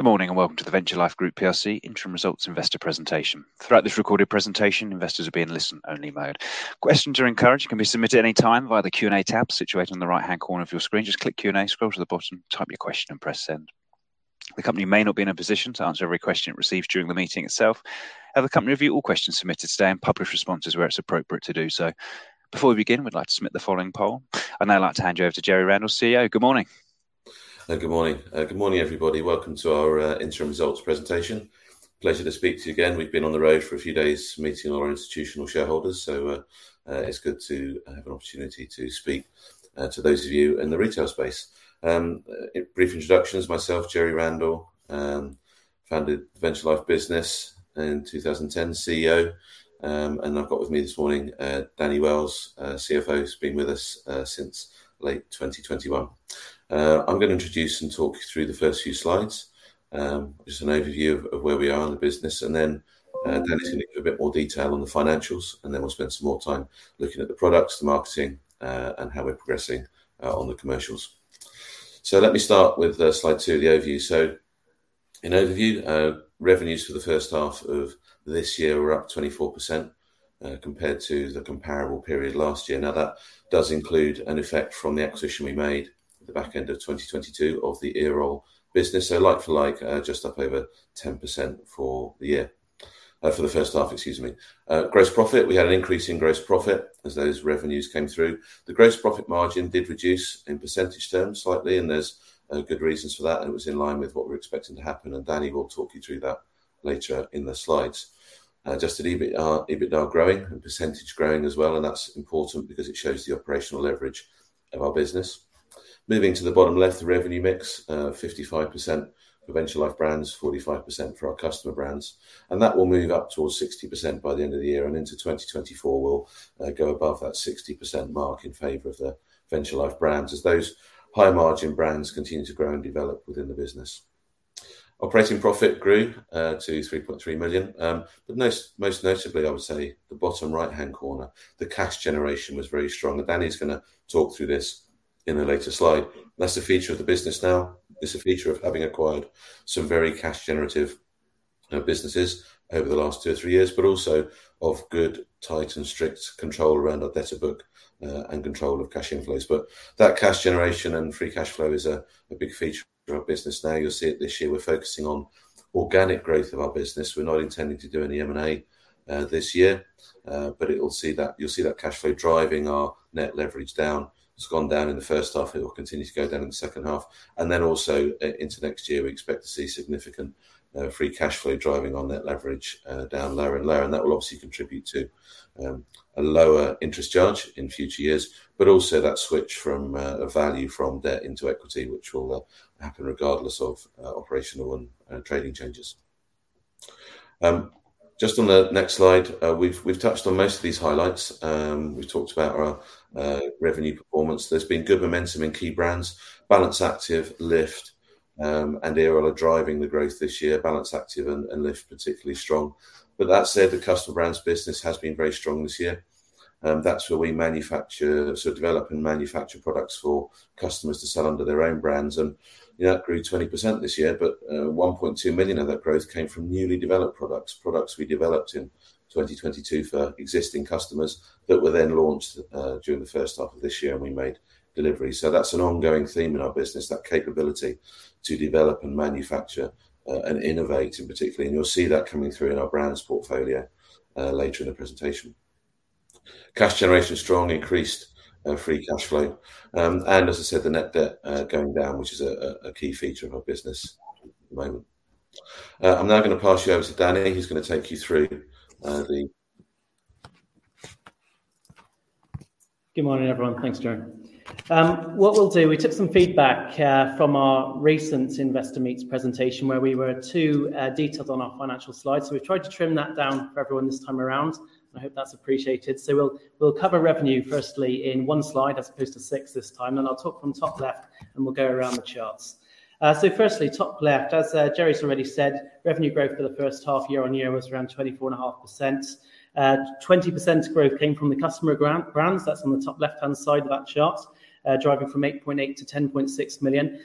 Good morning, and welcome to the Venture Life Group plc Interim Results Investor Presentation. Throughout this recorded presentation, investors will be in listen-only mode. Questions are encouraged and can be submitted at any time via the Q&A tab situated on the right-hand corner of your screen. Just click Q&A, scroll to the bottom, type your question, and press Send. The company may not be in a position to answer every question it receives during the meeting itself. However, the company will review all questions submitted today and publish responses where it's appropriate to do so. Before we begin, we'd like to submit the following poll. I'd now like to hand you over to Jerry Randall, CEO. Good morning. Good morning. Good morning, everybody. Welcome to our interim results presentation. Pleasure to speak to you again. We've been on the road for a few days meeting our institutional shareholders, so it's good to have an opportunity to speak to those of you in the retail space. A brief introduction is myself, Jerry Randall, founded Venture Life business in 2010, CEO. And I've got with me this morning, Daniel Wells, CFO, who's been with us since late 2021. I'm gonna introduce and talk you through the first few slides. Just an overview of where we are in the business, and then Danny's gonna go into a bit more detail on the financials, and then we'll spend some more time looking at the products, the marketing, and how we're progressing on the commercials. Let me start with slide two, the overview. In overview, revenues for the first half of this year were up 24%, compared to the comparable period last year. Now, that does include an effect from the acquisition we made at the back end of 2022 of the Earol business. So like for like, just up over 10% for the year, for the first half, excuse me. Gross profit, we had an increase in gross profit as those revenues came through. The gross profit margin did reduce in percentage terms slightly, and there's good reasons for that, and it was in line with what we were expecting to happen, and Danny will talk you through that later in the slides. Adjusted EBIT, EBITDA growing and percentage growing as well, and that's important because it shows the operational leverage of our business. Moving to the bottom left, the revenue mix, 55% for Venture Life brands, 45% for our customer brands, and that will move up towards 60% by the end of the year, and into 2024, we'll go above that 60% mark in favor of the Venture Life brands, as those higher-margin brands continue to grow and develop within the business. Operating profit grew to 3.3 million. But most notably, I would say the bottom right-hand corner, the cash generation was very strong, and Danny is gonna talk through this in a later slide. That's the feature of the business now. It's a feature of having acquired some very cash generative businesses over the last two or three years, but also of good, tight, and strict control around our debtor book, and control of cash inflows. But that cash generation and free cash flow is a big feature for our business now. You'll see it this year. We're focusing on organic growth of our business. We're not intending to do any M&A this year, but you'll see that cash flow driving our net leverage down. It's gone down in the first half, it will continue to go down in the second half, and then also into next year, we expect to see significant free cash flow driving on net leverage down lower and lower, and that will obviously contribute to a lower interest charge in future years, but also that switch from a value from debt into equity, which will happen regardless of operational and trading changes. Just on the next slide, we've touched on most of these highlights. We've talked about our revenue performance. There's been good momentum in key brands. Balance Activ, Lift, and Earol are driving the growth this year, Balance Activ and Lift particularly strong. But that said, the customer brands business has been very strong this year. That's where we manufacture, sort of, develop and manufacture products for customers to sell under their own brands, and that grew 20% this year, but one point two million of that growth came from newly developed products, products we developed in 2022 for existing customers that were then launched during the first half of this year, and we made deliveries. So that's an ongoing theme in our business, that capability to develop and manufacture and innovate in particular, and you'll see that coming through in our brands portfolio later in the presentation. Cash generation is strong, increased free cash flow. And as I said, the net debt going down, which is a key feature of our business at the moment. I'm now gonna pass you over to Danny, who's gonna take you through the... Good morning, everyone. Thanks, Jerry. What we'll do, we took some feedback from our recent investor meetings presentation, where we were too detailed on our financial slides. So we've tried to trim that down for everyone this time around, and I hope that's appreciated. So we'll cover revenue firstly in one slide, as opposed to six this time, and I'll talk from top left, and we'll go around the charts. So firstly, top left, as Jerry's already said, revenue growth for the first half year-on-year was around 24.5%. 20% growth came from the customer brands, that's on the top left-hand side of that chart, driving from 8.8 million-10.6 million.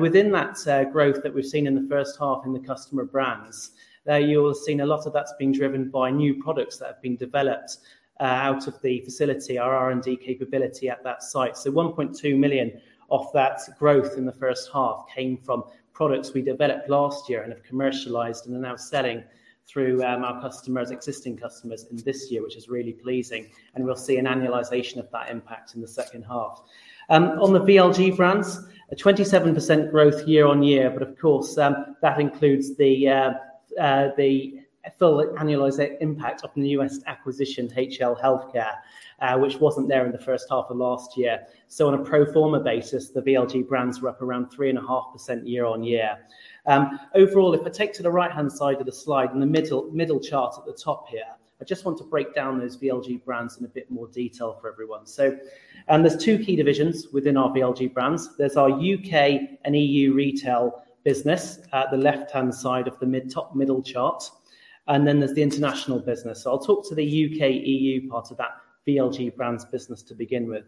Within that growth that we've seen in the first half in the customer brands, there you will have seen a lot of that's been driven by new products that have been developed out of the facility, our R&D capability at that site. So 1.2 million of that growth in the first half came from products we developed last year and have commercialized and are now selling through our customers, existing customers this year, which is really pleasing, and we'll see an annualization of that impact in the second half. On the VLG brands, a 27% growth year on year, but of course, that includes a full annualized impact of the newest acquisition to HL Healthcare, which wasn't there in the first half of last year. So on a pro forma basis, the VLG brands were up around 3.5% year-on-year. Overall, if I take to the right-hand side of the slide, in the middle, middle chart at the top here, I just want to break down those VLG brands in a bit more detail for everyone. So, there's two key divisions within our VLG brands. There's our U.K. and E.U. retail business at the left-hand side of the mid, top middle chart, and then there's the international business. So I'll talk to the U.K., E.U. part of that VLG brands business to begin with.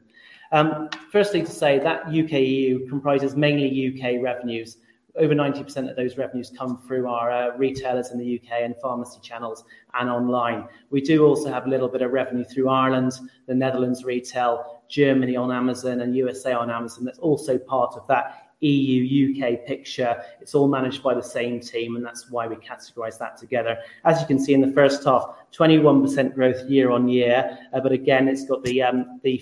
Firstly, to say that U.K., E.U. comprises mainly U.K. revenues. Over 90% of those revenues come through our, retailers in the U.K. and pharmacy channels and online. We do also have a little bit of revenue through Ireland, the Netherlands retail, Germany on Amazon, and USA on Amazon. That's also part of that E.U., U.K. picture. It's all managed by the same team, and that's why we categorize that together. As you can see in the first half, 21% growth year-on-year. But again, it's got the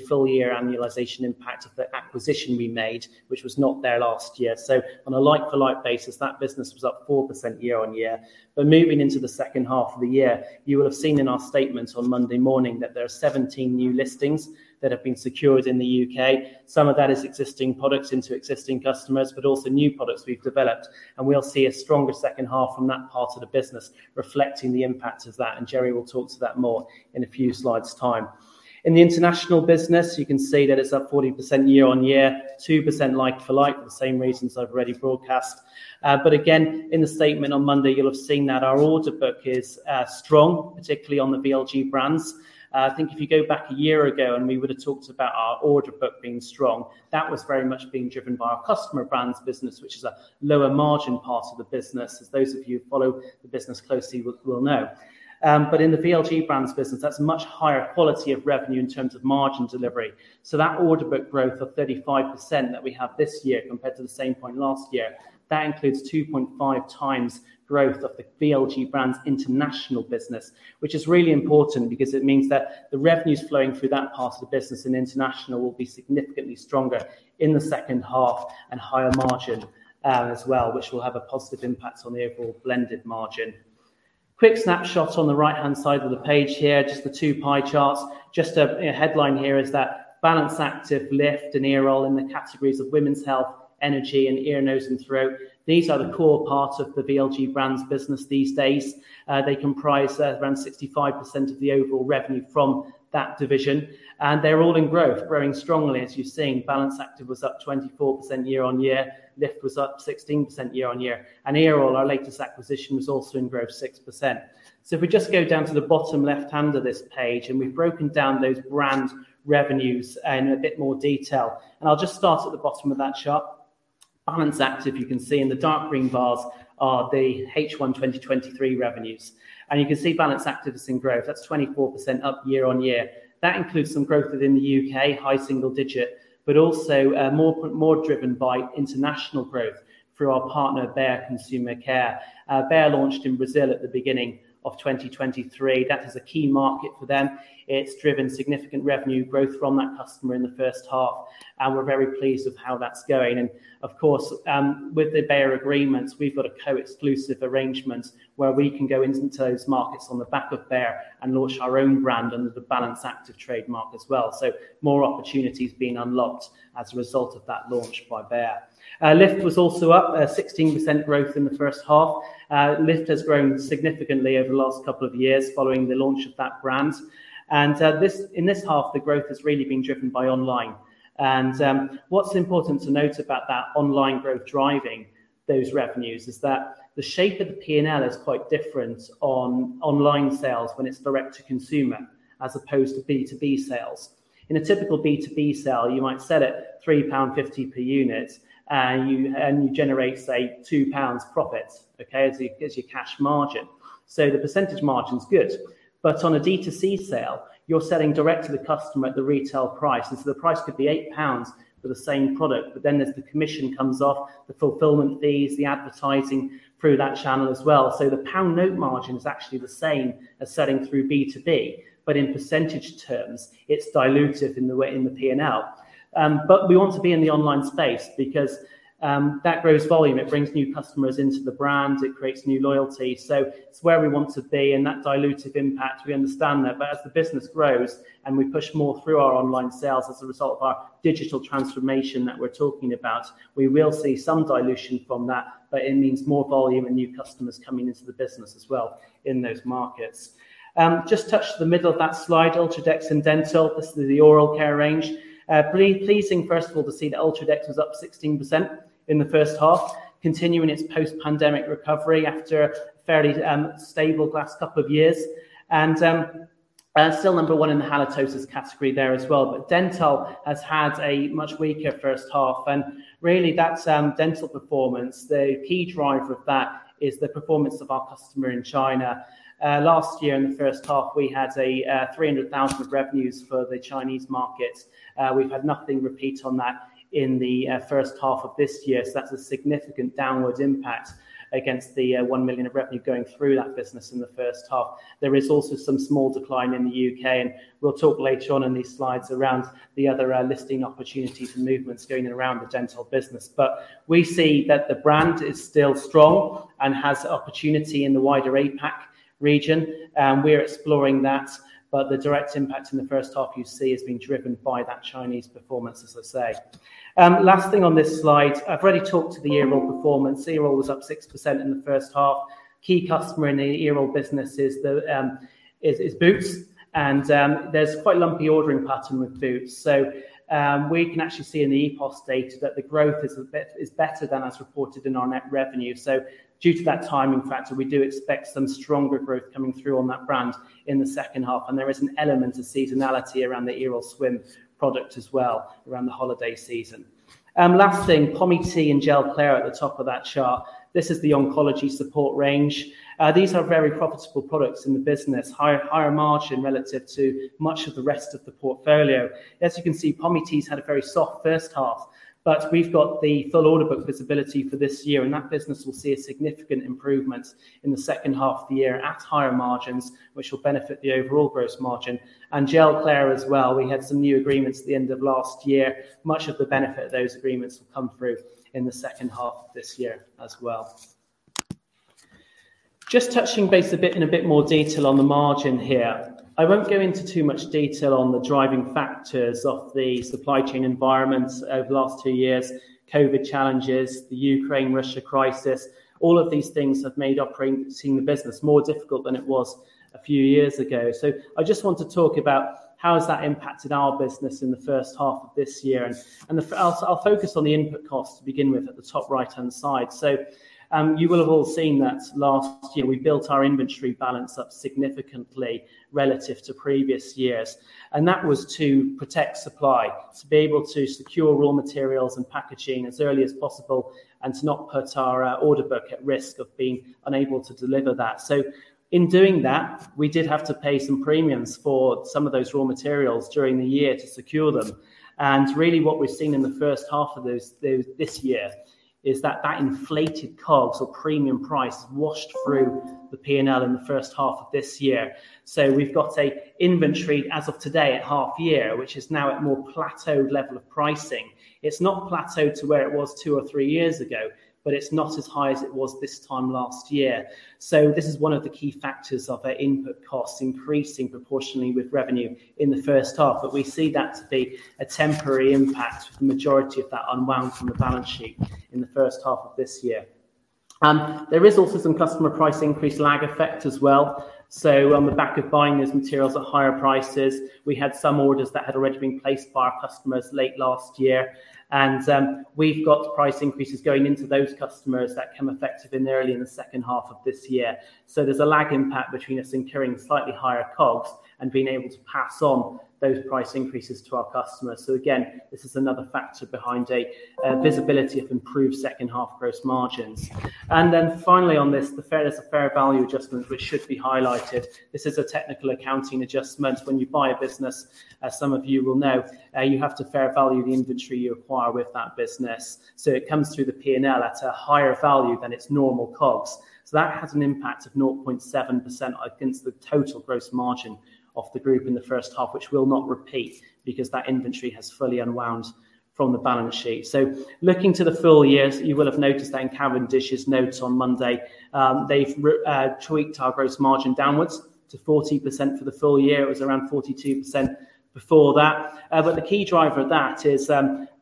full year annualization impact of the acquisition we made, which was not there last year. So on a like-for-like basis, that business was up 4% year-on-year. But moving into the second half of the year, you will have seen in our statements on Monday morning that there are 17 new listings that have been secured in the UK. Some of that is existing products into existing customers, but also new products we've developed, and we'll see a stronger second half from that part of the business, reflecting the impact of that, and Jerry will talk to that more in a few slides' time. In the international business, you can see that it's up 40% year-on-year, 2% like-for-like, the same reasons I've already broadcast. But again, in the statement on Monday, you'll have seen that our order book is strong, particularly on the VLG brands. I think if you go back a year ago and we would have talked about our order book being strong, that was very much being driven by our customer brands business, which is a lower margin part of the business, as those of you who follow the business closely will know. But in the VLG brands business, that's a much higher quality of revenue in terms of margin delivery. So that order book growth of 35% that we have this year compared to the same point last year, that includes 2.5x growth of the VLG brands international business, which is really important because it means that the revenues flowing through that part of the business in international will be significantly stronger in the second half and higher margin, as well, which will have a positive impact on the overall blended margin. Quick snapshot on the right-hand side of the page here, just the two pie charts. Just a headline here is that Balance Activ, Lift, and Earol in the categories of women's health, energy, and ear, nose, and throat. These are the core parts of the VLG brands business these days. They comprise around 65% of the overall revenue from that division, and they're all in growth, growing strongly. As you're seeing, Balance Activ was up 24% year-on-year. Lift was up 16% year-on-year, and Earol, our latest acquisition, was also in growth, 6%. So if we just go down to the bottom left-hand of this page, and we've broken down those brand revenues in a bit more detail. I'll just start at the bottom of that chart. Balance Activ, you can see in the dark green bars, are the H1 2023 revenues. And you can see Balance Activ is in growth. That's 24% up year-on-year. That includes some growth within the UK, high single digit, but also more driven by international growth through our partner, Bayer Consumer Care. Bayer launched in Brazil at the beginning of 2023. That is a key market for them. It's driven significant revenue growth from that customer in the first half, and we're very pleased with how that's going. And of course, with the Bayer agreements, we've got a co-exclusive arrangement where we can go into those markets on the back of Bayer and launch our own brand under the Balance Activ trademark as well. So more opportunities being unlocked as a result of that launch by Bayer. Lift was also up, 16% growth in the first half. Lift has grown significantly over the last couple of years following the launch of that brand. In this half, the growth has really been driven by online. What's important to note about that online growth driving those revenues is that the shape of the PNL is quite different on online sales when it's direct to consumer, as opposed to B2B sales. In a typical B2B sale, you might sell it 3.50 per unit, and you generate, say, 2 pounds profit, okay? As your cash margin. So the percentage margin's good, but on a D2C sale, you're selling direct to the customer at the retail price, and so the price could be 8 pounds for the same product. But then there's the commission comes off, the fulfillment fees, the advertising through that channel as well. So the pound note margin is actually the same as selling through B2B, but in percentage terms, it's dilutive in the way in the PNL. But we want to be in the online space because that grows volume, it brings new customers into the brand, it creates new loyalty. So it's where we want to be, and that dilutive impact, we understand that. But as the business grows and we push more through our online sales as a result of our digital transformation that we're talking about, we will see some dilution from that, but it means more volume and new customers coming into the business as well in those markets. Just touch the middle of that slide, UltraDEX and Dentyl. This is the oral care range. Pleasing, first of all, to see that UltraDEX was up 16% in the first half, continuing its post-pandemic recovery after a fairly stable last couple of years. Still number one in the halitosis category there as well. But Dentyl has had a much weaker first half, and really that's Dentyl performance. The key driver of that is the performance of our customer in China. Last year, in the first half, we had a 300,000 of revenues for the Chinese market. We've had nothing repeat on that in the first half of this year, so that's a significant downward impact against the 1,000,000 of revenue going through that business in the first half. There is also some small decline in the U.K., and we'll talk later on in these slides around the other listing opportunities and movements going around the Dentyl business. But we see that the brand is still strong and has opportunity in the wider APAC region, and we're exploring that. But the direct impact in the first half, you see, has been driven by that Chinese performance, as I say. Last thing on this slide. I've already talked to the Earol performance. Earol was up 6% in the first half. Key customer in the Earol business is Boots, and there's quite lumpy ordering pattern with Boots. So, we can actually see in the EPOS data that the growth is a bit better than as reported in our net revenue. So due to that timing factor, we do expect some stronger growth coming through on that brand in the second half, and there is an element of seasonality around the Earol Swim product as well, around the holiday season. Last thing, Pomi-T and Gelclair at the top of that chart. This is the oncology support range. These are very profitable products in the business. Higher, higher margin relative to much of the rest of the portfolio. As you can see, Pomi-T's had a very soft first half, but we've got the full order book visibility for this year, and that business will see a significant improvement in the second half of the year at higher margins, which will benefit the overall gross margin. And Gelclair as well, we had some new agreements at the end of last year. Much of the benefit of those agreements will come through in the second half of this year as well. Just touching base a bit, in a bit more detail on the margin here. I won't go into too much detail on the driving factors of the supply chain environment over the last two years, COVID challenges, the Ukraine-Russia crisis. All of these things have made operating the business more difficult than it was a few years ago. So I just want to talk about how has that impacted our business in the first half of this year, and then I'll focus on the input costs to begin with at the top right-hand side. So, you will have all seen that last year, we built our inventory balance up significantly relative to previous years, and that was to protect supply, to be able to secure raw materials and packaging as early as possible, and to not put our order book at risk of being unable to deliver that. So in doing that, we did have to pay some premiums for some of those raw materials during the year to secure them. And really, what we've seen in the first half of this year is that that inflated COGS or premium price washed through the PNL in the first half of this year. So we've got an inventory as of today at half year, which is now at more plateaued level of pricing. It's not plateaued to where it was two or three years ago, but it's not as high as it was this time last year. So this is one of the key factors of our input costs increasing proportionally with revenue in the first half, but we see that to be a temporary impact, with the majority of that unwound from the balance sheet in the first half of this year. There is also some customer price increase lag effect as well. So on the back of buying these materials at higher prices, we had some orders that had already been placed by our customers late last year, and we've got price increases going into those customers that come effective in the early in the second half of this year. So there's a lag impact between us incurring slightly higher COGS and being able to pass on those price increases to our customers. So again, this is another factor behind a visibility of improved second-half gross margins. And then finally on this, the fairness of fair value adjustment, which should be highlighted. This is a technical accounting adjustment. When you buy a business, as some of you will know, you have to fair value the inventory you acquire with that business. So it comes through the PNL at a higher value than its normal COGS. So that has an impact of 0.7% against the total gross margin of the group in the first half, which will not repeat because that inventory has fully unwound from the balance sheet. So looking to the full years, you will have noticed that in Cavendish's notes on Monday, they've tweaked our gross margin downwards to 40% for the full year. It was around 42% before that. But the key driver of that is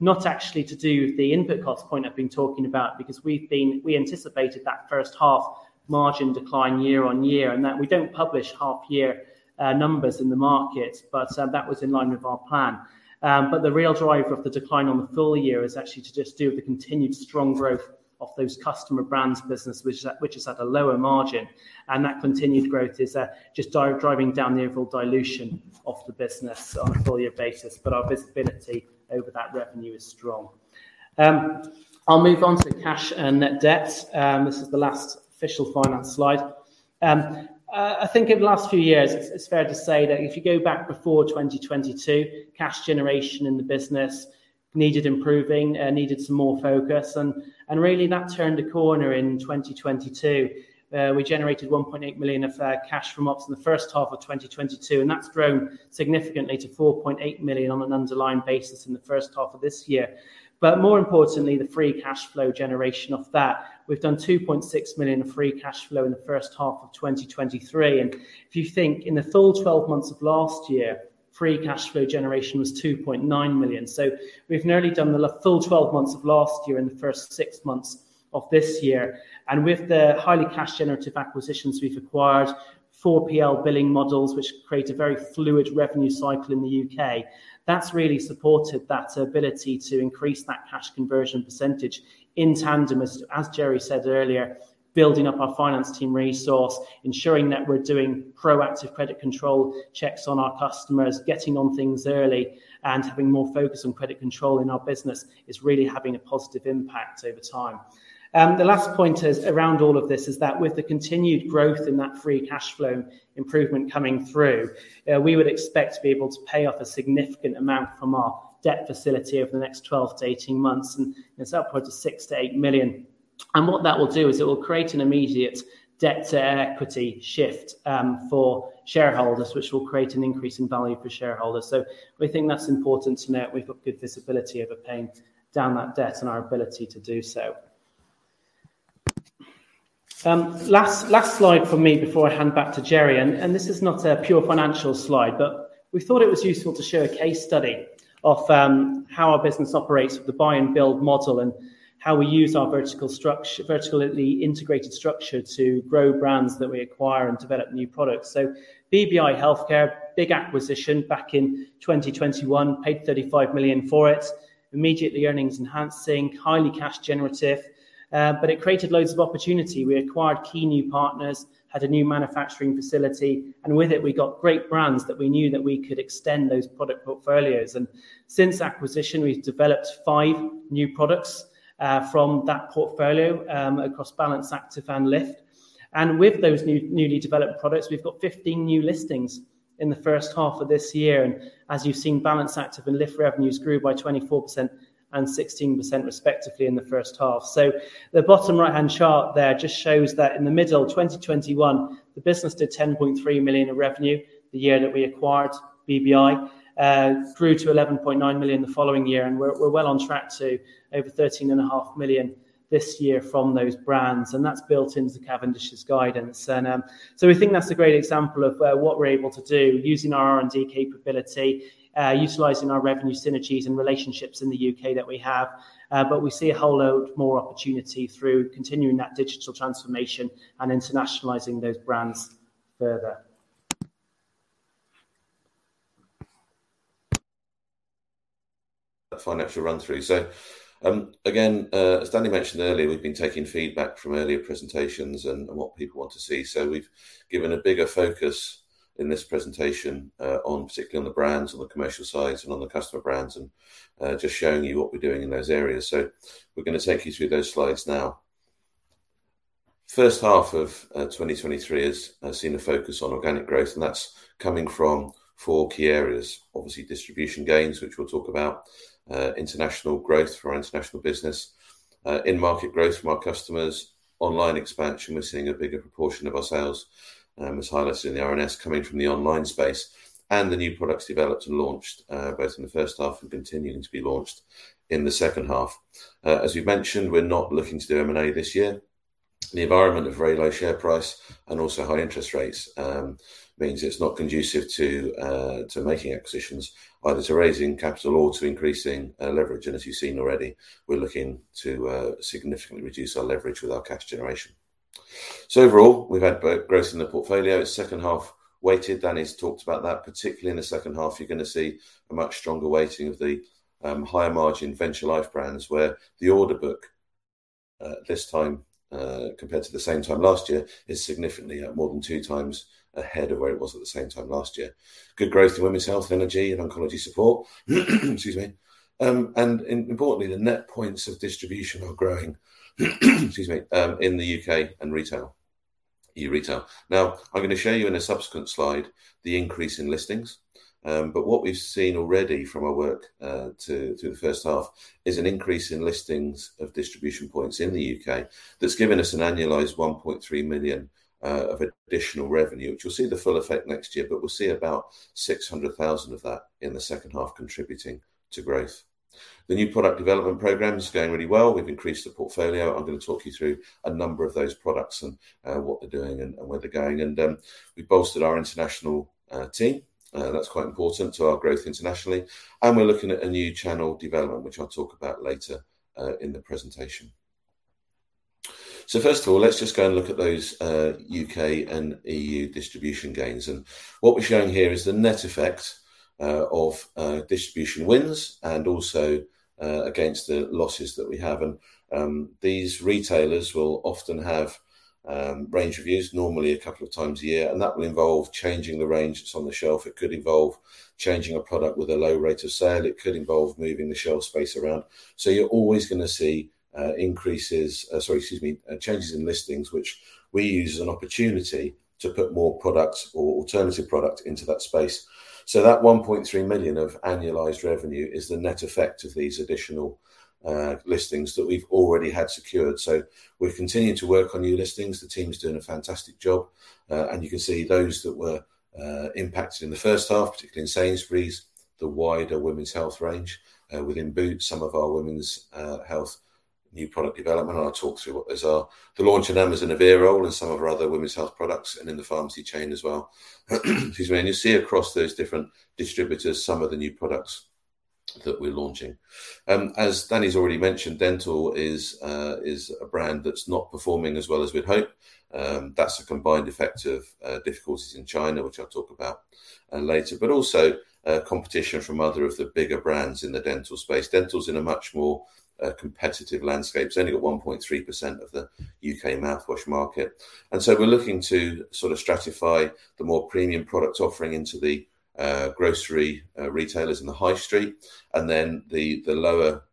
not actually to do with the input cost point I've been talking about, because we anticipated that first half margin decline year-on-year, and that we don't publish half-year numbers in the market, but that was in line with our plan. But the real driver of the decline on the full year is actually to just do with the continued strong growth of those customer brands business, which is at a lower margin. And that continued growth is just driving down the overall dilution of the business on a full year basis, but our visibility over that revenue is strong. I'll move on to cash and net debt. This is the last official finance slide. I think in the last few years, it's fair to say that if you go back before 2022, cash generation in the business needed improving, needed some more focus, and really that turned a corner in 2022. We generated 1.8 million of cash from ops in the first half of 2022, and that's grown significantly to 4.8 million on an underlying basis in the first half of this year. But more importantly, the free cash flow generation of that, we've done 2.6 million in free cash flow in the first half of 2023. And if you think in the full twelve months of last year, free cash flow generation was 2.9 million. So we've nearly done the full twelve months of last year in the first six months of this year, and with the highly cash generative acquisitions, we've acquired four PL billing models, which create a very fluid revenue cycle in the UK. That's really supported that ability to increase that cash conversion percentage in tandem, as, as Jerry said earlier, building up our finance team resource, ensuring that we're doing proactive credit control checks on our customers, getting on things early, and having more focus on credit control in our business is really having a positive impact over time. The last point is, around all of this, is that with the continued growth in that free cash flow improvement coming through, we would expect to be able to pay off a significant amount from our debt facility over the next 12-18 months, and it's upwards of 6-8 million. And what that will do is it will create an immediate debt to equity shift, for shareholders, which will create an increase in value for shareholders. So we think that's important to note. We've got good visibility over paying down that debt and our ability to do so. Last slide from me before I hand back to Jerry, and this is not a pure financial slide, but we thought it was useful to show a case study of how our business operates with the buy and build model, and how we use our vertically integrated structure to grow brands that we acquire and develop new products. BBI Healthcare, big acquisition back in 2021, paid 35 million for it. Immediately earnings enhancing, highly cash generative, but it created loads of opportunity. We acquired key new partners, had a new manufacturing facility, and with it, we got great brands that we knew that we could extend those product portfolios. Since acquisition, we've developed five new products from that portfolio across Balance Activ and Lift. And with those newly developed products, we've got 15 new listings in the first half of this year. And as you've seen, Balance Activ and Lift revenues grew by 24% and 16% respectively in the first half. So the bottom right-hand chart there just shows that in the middle of 2021, the business did 10.3 million in revenue, the year that we acquired BBI, grew to 11.9 million the following year, and we're well on track to over 13.5 million this year from those brands, and that's built into Cavendish's guidance. So we think that's a great example of what we're able to do using our R&D capability, utilizing our revenue synergies and relationships in the U.K. that we have. But we see a whole load more opportunity through continuing that digital transformation and internationalizing those brands further. Financial run-through. So, again, as Danny mentioned earlier, we've been taking feedback from earlier presentations and what people want to see. So we've given a bigger focus in this presentation, particularly on the brands, on the commercial sides, and on the customer brands, and just showing you what we're doing in those areas. So we're gonna take you through those slides now. First half of 2023 has seen a focus on organic growth, and that's coming from four key areas. Obviously, distribution gains, which we'll talk about, international growth for our international business, in-market growth from our customers, online expansion, we're seeing a bigger proportion of our sales, as highlighted in the RNS, coming from the online space, and the new products developed and launched, both in the first half and continuing to be launched in the second half. As we've mentioned, we're not looking to do M&A this year. The environment of very low share price and also high interest rates means it's not conducive to making acquisitions, either to raising capital or to increasing leverage. And as you've seen already, we're looking to significantly reduce our leverage with our cash generation. So overall, we've had growth in the portfolio. It's second half weighted. Danny's talked about that. Particularly in the second half, you're gonna see a much stronger weighting of the higher margin Venture Life brands, where the order book this time compared to the same time last year, is significantly up more than 2x ahead of where it was at the same time last year. Good growth in women's health, energy, and oncology support. Excuse me. And importantly, the net points of distribution are growing, excuse me, in the U.K. and retail, e-retail. Now, I'm gonna show you in a subsequent slide the increase in listings. But what we've seen already from our work to the first half is an increase in listings of distribution points in the U.K. that's given us an annualized 1.3 million of additional revenue, which you'll see the full effect next year, but we'll see about 600,000 of that in the second half contributing to growth. The new product development program is going really well. We've increased the portfolio. I'm gonna talk you through a number of those products and what they're doing and where they're going. And we've bolstered our international team. That's quite important to our growth internationally. And we're looking at a new channel development, which I'll talk about later in the presentation. So first of all, let's just go and look at those U.K. and E.U. distribution gains. What we're showing here is the net effect of distribution wins and also against the losses that we have. These retailers will often have range reviews normally a couple of times a year, and that will involve changing the range that's on the shelf. It could involve changing a product with a low rate of sale. It could involve moving the shelf space around. So you're always gonna see increases, sorry, excuse me, changes in listings, which we use as an opportunity to put more products or alternative product into that space. So that 1.3 million of annualized revenue is the net effect of these additional listings that we've already had secured. So we're continuing to work on new listings. The team is doing a fantastic job. You can see those that were impacted in the first half, particularly in Sainsbury's, the wider women's health range. Within Boots, some of our women's health new product development, and I'll talk through what those are. The launch in Amazon of Earol and some of our other women's health products, and in the pharmacy chain as well. Excuse me. You'll see across those different distributors some of the new products that we're launching. As Danny's already mentioned, Dentyl is a brand that's not performing as well as we'd hope. That's a combined effect of difficulties in China, which I'll talk about later, but also competition from other of the bigger brands in the Dentyl space. Dentyl is in a much more competitive landscape. It's only got 1.3% of the U.K. mouthwash market. And so we're looking to sort of stratify the more premium products offering into the grocery retailers in the high street, and then the lower,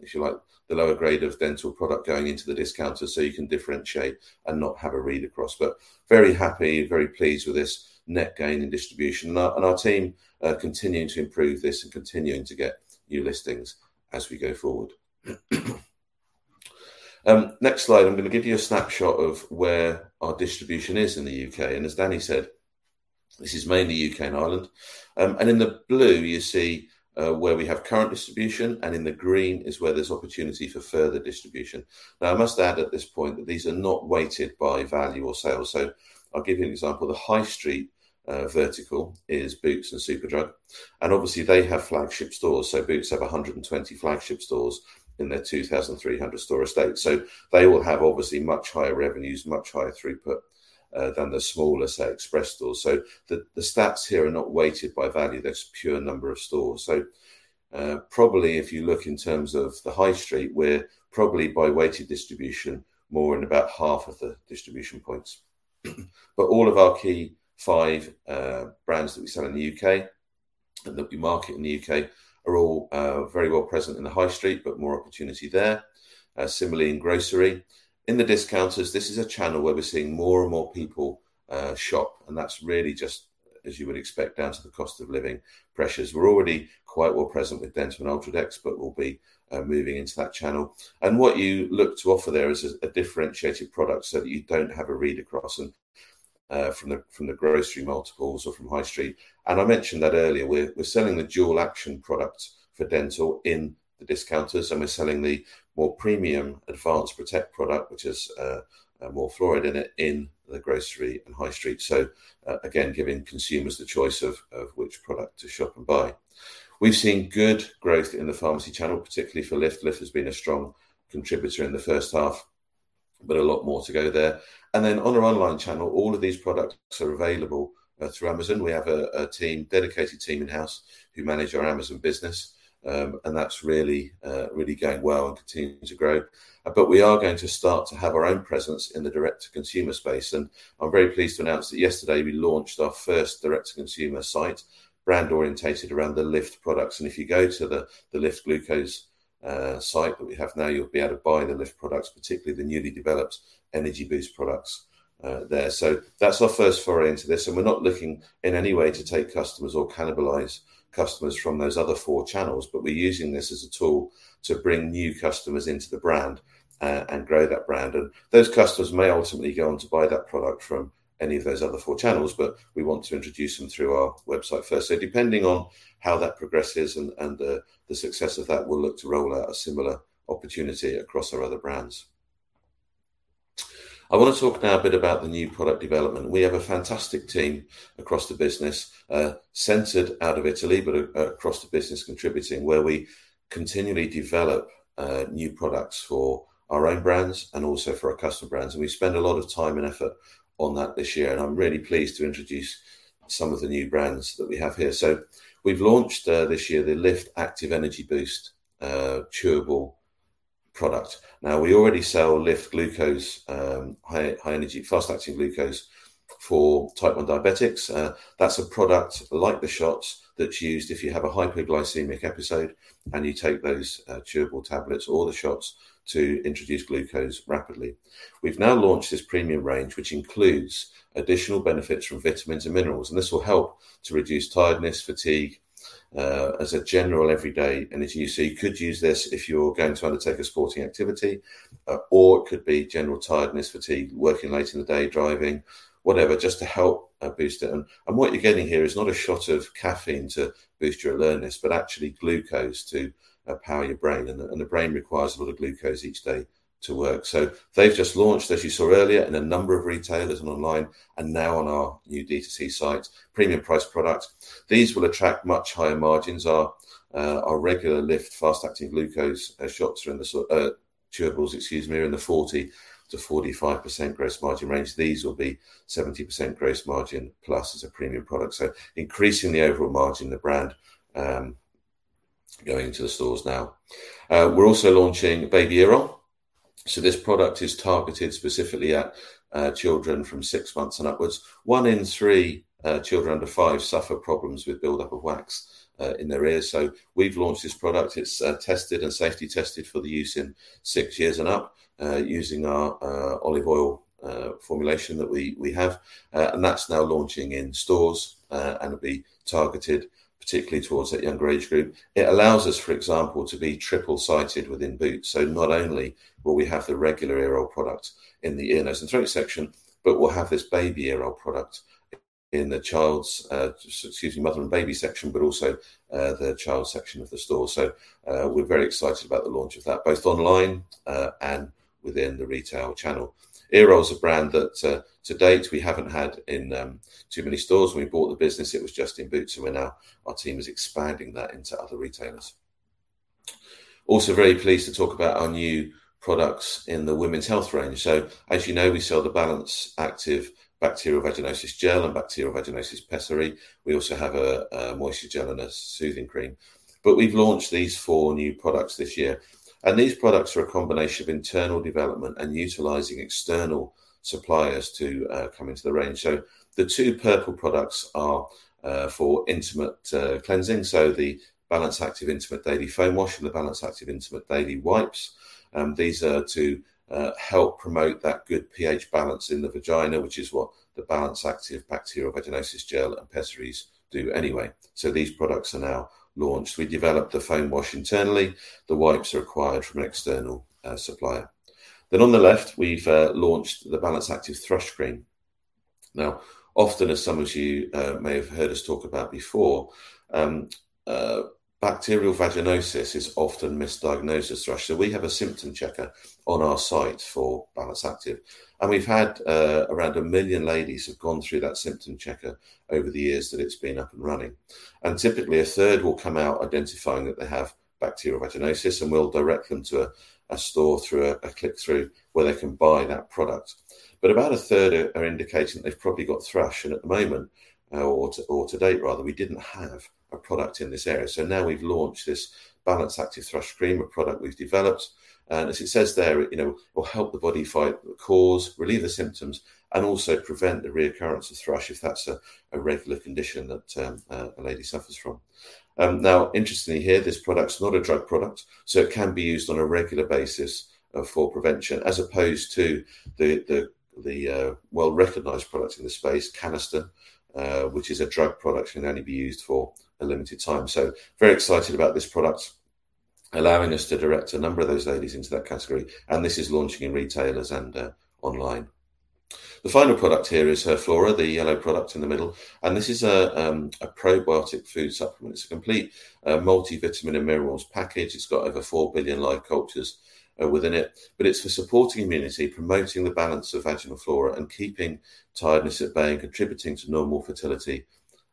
if you like, the lower grade of Dentyl product going into the discounters so you can differentiate and not have a read-across. But very happy, very pleased with this net gain in distribution. And our team are continuing to improve this and continuing to get new listings as we go forward. Next slide, I'm gonna give you a snapshot of where our distribution is in the U.K., and as Danny said, this is mainly U.K. and Ireland. And in the blue, you see where we have current distribution, and in the green is where there's opportunity for further distribution. Now, I must add at this point that these are not weighted by value or sales. So I'll give you an example. The high street, vertical is Boots and Superdrug, and obviously they have flagship stores. So Boots have 120 flagship stores in their 2,300 store estate. So they will have obviously much higher revenues, much higher throughput, than the smaller, say, express stores. So the, the stats here are not weighted by value, there's pure number of stores. So, probably if you look in terms of the high street, we're probably by weighted distribution, more in about half of the distribution points. But all of our key five, brands that we sell in the U.K. and that we market in the U.K. are all, very well present in the high street, but more opportunity there. Similarly in grocery. In the discounters, this is a channel where we're seeing more and more people shop, and that's really just, as you would expect, down to the cost of living pressures. We're already quite well present with Dentyl and UltraDEX, but we'll be moving into that channel. And what you look to offer there is a differentiated product so that you don't have a read across and from the grocery multiples or from high street. And I mentioned that earlier, we're selling the dual action product for Dentyl in the discounters, and we're selling the more premium advanced protect product, which has more fluoride in it, in the grocery and high street. So, again, giving consumers the choice of which product to shop and buy. We've seen good growth in the pharmacy channel, particularly for Lift. Lift has been a strong contributor in the first half, but a lot more to go there. Then on our online channel, all of these products are available through Amazon. We have a dedicated team in-house who manage our Amazon business, and that's really, really going well and continuing to grow. But we are going to start to have our own presence in the direct-to-consumer space, and I'm very pleased to announce that yesterday we launched our first direct-to-consumer site, brand-oriented around the Lift products. If you go to the Lift Glucose site that we have now, you'll be able to buy the Lift products, particularly the newly developed energy boost products, there. So that's our first foray into this, and we're not looking in any way to take customers or cannibalize customers from those other four channels, but we're using this as a tool to bring new customers into the brand, and grow that brand. And those customers may ultimately go on to buy that product from any of those other four channels, but we want to introduce them through our website first. So depending on how that progresses and the success of that, we'll look to roll out a similar opportunity across our other brands. I want to talk now a bit about the new product development. We have a fantastic team across the business, centered out of Italy, but across the business contributing, where we continually develop new products for our own brands and also for our customer brands. We spend a lot of time and effort on that this year, and I'm really pleased to introduce some of the new brands that we have here. So we've launched this year the Lift Active Energy Boost chewable product. Now, we already sell Lift Glucose high energy fast-acting glucose for type 1 diabetics. That's a product like the shots that's used if you have a hypoglycemic episode and you take those chewable tablets or the shots to introduce glucose rapidly. We've now launched this premium range, which includes additional benefits from vitamins and minerals, and this will help to reduce tiredness, fatigue as a general everyday energy. You see, you could use this if you're going to undertake a sporting activity or it could be general tiredness, fatigue, working late in the day, driving, whatever, just to help boost it. And what you're getting here is not a shot of caffeine to boost your alertness, but actually glucose to power your brain, and the brain requires a lot of glucose each day to work. So they've just launched, as you saw earlier, in a number of retailers and online and now on our new D2C site. Premium price product. These will attract much higher margins. Our regular Lift fast-acting glucose shots are in the sort of chewables, excuse me, are in the 40%-45% gross margin range. These will be 70% gross margin plus as a premium product, so increasing the overall margin of the brand, going into the stores now. We're also launching Baby Earol. So this product is targeted specifically at children from six months and upwards. One in three children under five suffer problems with buildup of wax in their ears. So we've launched this product. It's tested and safety tested for the use in six years and up using our olive oil formulation that we have. And that's now launching in stores and will be targeted particularly towards that younger age group. It allows us, for example, to be triple-sited within Boots. So not only will we have the regular Earol product in the ear, nose and throat section, but we'll have this Baby Earol product in the child's, excuse me, mother and baby section, but also the child section of the store. So we're very excited about the launch of that, both online and within the retail channel. Earol is a brand that to date, we haven't had in too many stores. When we bought the business, it was just in Boots, and we're now our team is expanding that into other retailers. Also very pleased to talk about our new products in the women's health range. So as you know, we sell the Balance Activ bacterial vaginosis gel and bacterial vaginosis pessary. We also have a moisture gel and a soothing cream. But we've launched these four new products this year, and these products are a combination of internal development and utilizing external suppliers to come into the range. So the two purple products are for intimate cleansing, so the Balance Activ Intimate Daily Foam Wash and the Balance Activ Intimate Daily Wipes. These are to help promote that good pH balance in the vagina, which is what the Balance Activ Bacterial Vaginosis gel and pessaries do anyway. So these products are now launched. We developed the foam wash internally, the wipes are acquired from an external supplier. Then on the left, we've launched the Balance Activ Thrush Cream. Now, often, as some of you may have heard us talk about before, Bacterial Vaginosis is often misdiagnosed as thrush. So we have a symptom checker on our site for Balance Activ, and we've had around 1 million ladies have gone through that symptom checker over the years that it's been up and running. And typically, a third will come out identifying that they have Bacterial Vaginosis, and we'll direct them to a store through a click-through where they can buy that product. But about a third are indicating they've probably got thrush, and at the moment, or to date, rather, we didn't have a product in this area. So now we've launched this Balance Activ Thrush Cream, a product we've developed, and as it says there, you know, will help the body fight the cause, relieve the symptoms, and also prevent the reoccurrence of thrush if that's a regular condition that a lady suffers from. Now, interestingly here, this product is not a drug product, so it can be used on a regular basis for prevention, as opposed to the well-recognized product in this space, Canesten, which is a drug product and can only be used for a limited time. So very excited about this product, allowing us to direct a number of those ladies into that category, and this is launching in retailers and online. The final product here is HerFlora, the yellow product in the middle, and this is a probiotic food supplement. It's a complete multivitamin and minerals package. It's got over 4 billion live cultures within it, but it's for supporting immunity, promoting the balance of vaginal flora, and keeping tiredness at bay, and contributing to normal fertility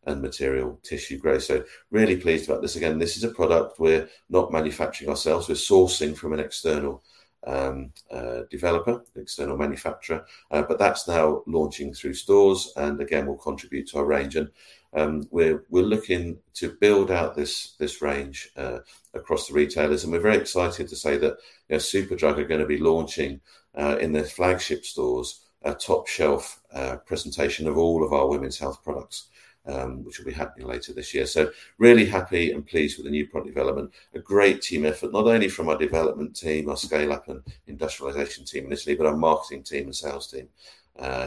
and maternal tissue growth. So really pleased about this. Again, this is a product we're not manufacturing ourselves. We're sourcing from an external developer, external manufacturer, but that's now launching through stores, and again, will contribute to our range. We're looking to build out this range across the retailers, and we're very excited to say that, you know, Superdrug are gonna be launching in their flagship stores, a top-shelf presentation of all of our women's health products, which will be happening later this year. So really happy and pleased with the new product development. A great team effort, not only from our development team, our scale-up and industrialization team, initially, but our marketing team and sales team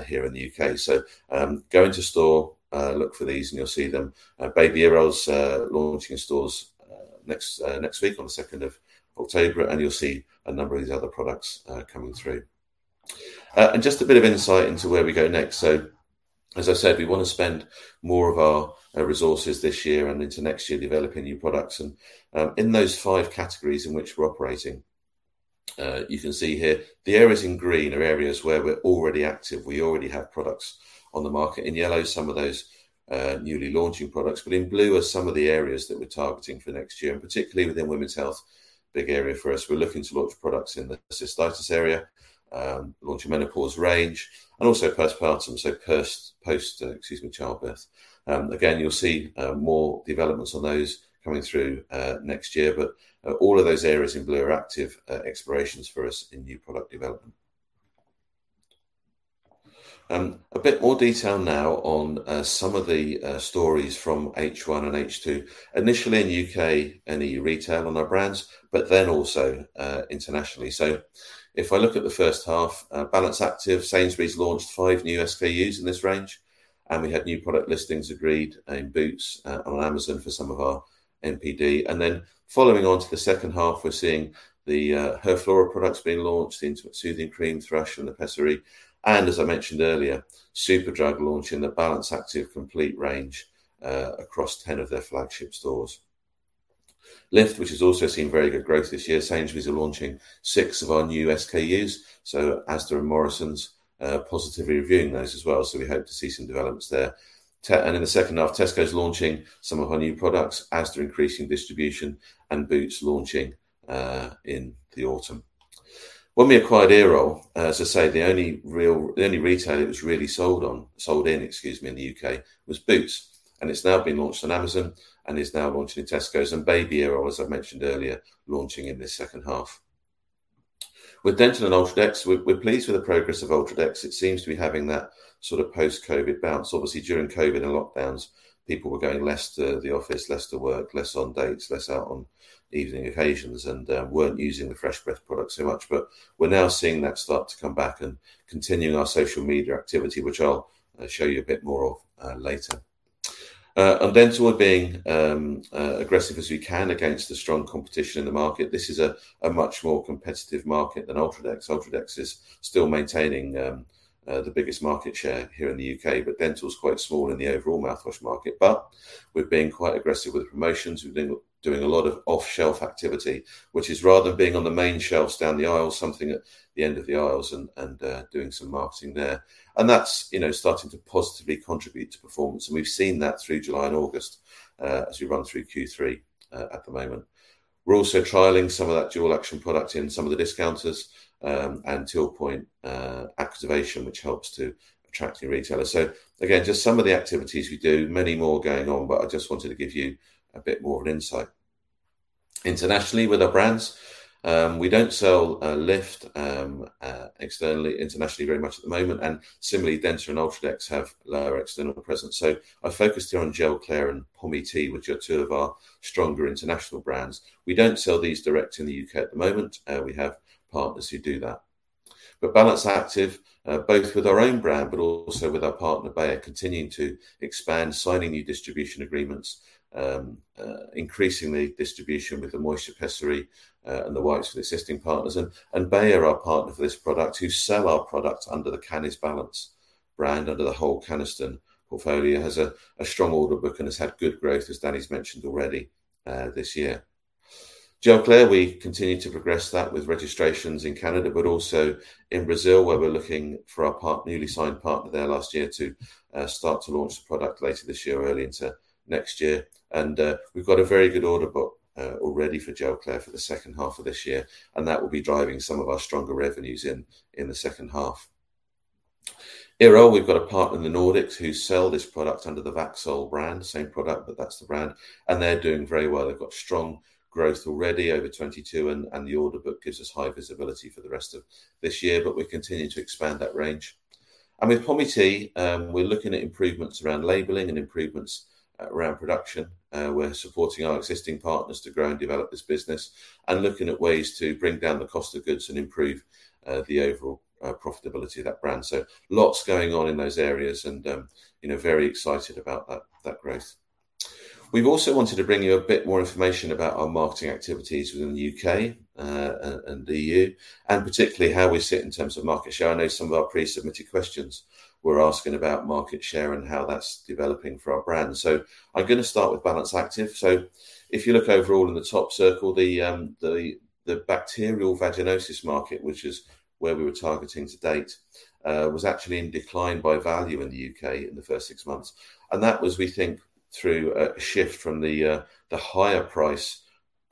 here in the U.K. So, go into store, look for these, and you'll see them. Baby Earol's launching in stores next week on the second of October, and you'll see a number of these other products coming through. And just a bit of insight into where we go next. So, as I said, we wanna spend more of our resources this year and into next year developing new products. And, in those five categories in which we're operating, you can see here, the areas in green are areas where we're already active. We already have products on the market. In yellow, some of those, newly launching products, but in blue are some of the areas that we're targeting for next year, and particularly within women's health, big area for us. We're looking to launch products in the cystitis area, launch a menopause range, and also postpartum, so post-childbirth. Again, you'll see, more developments on those coming through, next year, but, all of those areas in blue are active, explorations for us in new product development. A bit more detail now on some of the stories from H1 and H2. Initially in U.K. and E.U. retail on our brands, but then also internationally. So if I look at the first half, Balance Activ, Sainsbury's launched five new SKUs in this range, and we had new product listings agreed in Boots on Amazon for some of our NPD. And then following on to the second half, we're seeing the HerFlora products being launched into a soothing cream, thrush, and the pessary. And as I mentioned earlier, Superdrug launching the Balance Activ complete range across 10 of their flagship stores. Lift, which has also seen very good growth this year, Sainsbury's are launching six of our new SKUs, so Asda and Morrisons positively reviewing those as well, so we hope to see some developments there. And in the second half, Tesco's launching some of our new products, Asda increasing distribution, and Boots launching in the autumn. When we acquired Earol, as I say, the only retailer it was really sold in, excuse me, in the U.K., was Boots, and it's now been launched on Amazon and is now launching in Tesco's, and Baby Earol, as I mentioned earlier, launching in the second half. With Dentyl and UltraDEX, we're pleased with the progress of UltraDEX. It seems to be having that sort of post-COVID bounce. Obviously, during COVID and lockdowns, people were going less to the office, less to work, less on dates, less out on evening occasions, and weren't using the fresh breath product so much. But we're now seeing that start to come back and continuing our social media activity, which I'll show you a bit more of later. On Dentyl, we're being aggressive as we can against the strong competition in the market. This is a much more competitive market than UltraDEX. UltraDEX is still maintaining the biggest market share here in the U.K., but Dentyl is quite small in the overall mouthwash market. But we're being quite aggressive with promotions. We've been doing a lot of off-shelf activity, which is, rather than being on the main shelves down the aisle, something at the end of the aisles and doing some marketing there. And that's, you know, starting to positively contribute to performance, and we've seen that through July and August as we run through Q3 at the moment. We're also trialing some of that dual action product in some of the discounters, and till point activation, which helps to attract new retailers. So again, just some of the activities we do, many more going on, but I just wanted to give you a bit more of an insight. Internationally, with our brands, we don't sell, Lift, externally, internationally very much at the moment, and similarly, Dentyl and UltraDEX have lower external presence. So I focused here on Gelclair and Pomi-T, which are two of our stronger international brands. We don't sell these direct in the U.K. at the moment, we have partners who do that.... Balance Activ, both with our own brand, but also with our partner, Bayer, continuing to expand, signing new distribution agreements, increasingly distribution with the moisture pessary, and the wipes for the existing partners. Bayer, our partner for this product, who sell our product under the CanesBalance brand, under the whole Canesten portfolio, has a strong order book and has had good growth, as Danny's mentioned already, this year. Gelclair, we continue to progress that with registrations in Canada, but also in Brazil, where we're looking for our newly signed partner there last year to start to launch the product later this year or early into next year. And, we've got a very good order book already for Gelclair for the second half of this year, and that will be driving some of our stronger revenues in the second half. Earol, we've got a partner in the Nordics who sell this product under the Vaxol brand, same product, but that's the brand, and they're doing very well. They've got strong growth already over 2022, and the order book gives us high visibility for the rest of this year, but we continue to expand that range. And with Pomi-T, we're looking at improvements around labeling and improvements around production. We're supporting our existing partners to grow and develop this business and looking at ways to bring down the cost of goods and improve the overall profitability of that brand. So lots going on in those areas and, you know, very excited about that, that growth. We've also wanted to bring you a bit more information about our marketing activities within the U.K., and the E.U., and particularly how we sit in terms of market share. I know some of our pre-submitted questions were asking about market share and how that's developing for our brand. So I'm gonna start with Balance Activ. So if you look overall in the top circle, the Bacterial Vaginosis market, which is where we were targeting to date, was actually in decline by value in the U.K. in the first six months. And that was, we think, through a shift from the higher price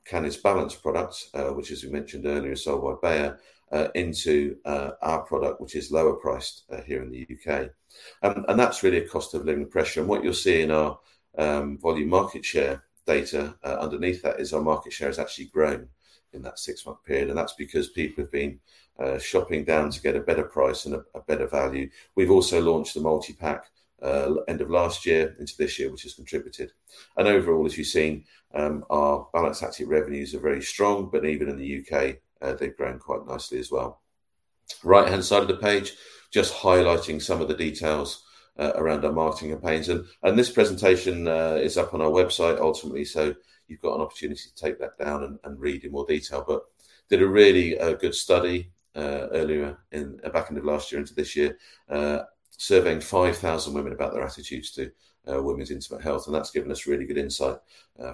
CanesBalance products, which as we mentioned earlier, are sold by Bayer, into our product, which is lower priced, here in the U.K. And that's really a cost-of-living pressure. And what you'll see in our volume market share data, underneath that, is our market share has actually grown in that six-month period, and that's because people have been shopping down to get a better price and a better value. We've also launched the multipack end of last year into this year, which has contributed. And overall, as you've seen, our Balance Activ revenues are very strong, but even in the UK, they've grown quite nicely as well. Right-hand side of the page, just highlighting some of the details around our marketing campaigns. This presentation is up on our website ultimately, so you've got an opportunity to take that down and read in more detail. But did a really good study earlier in back end of last year into this year, surveying 5,000 women about their attitudes to women's intimate health, and that's given us really good insight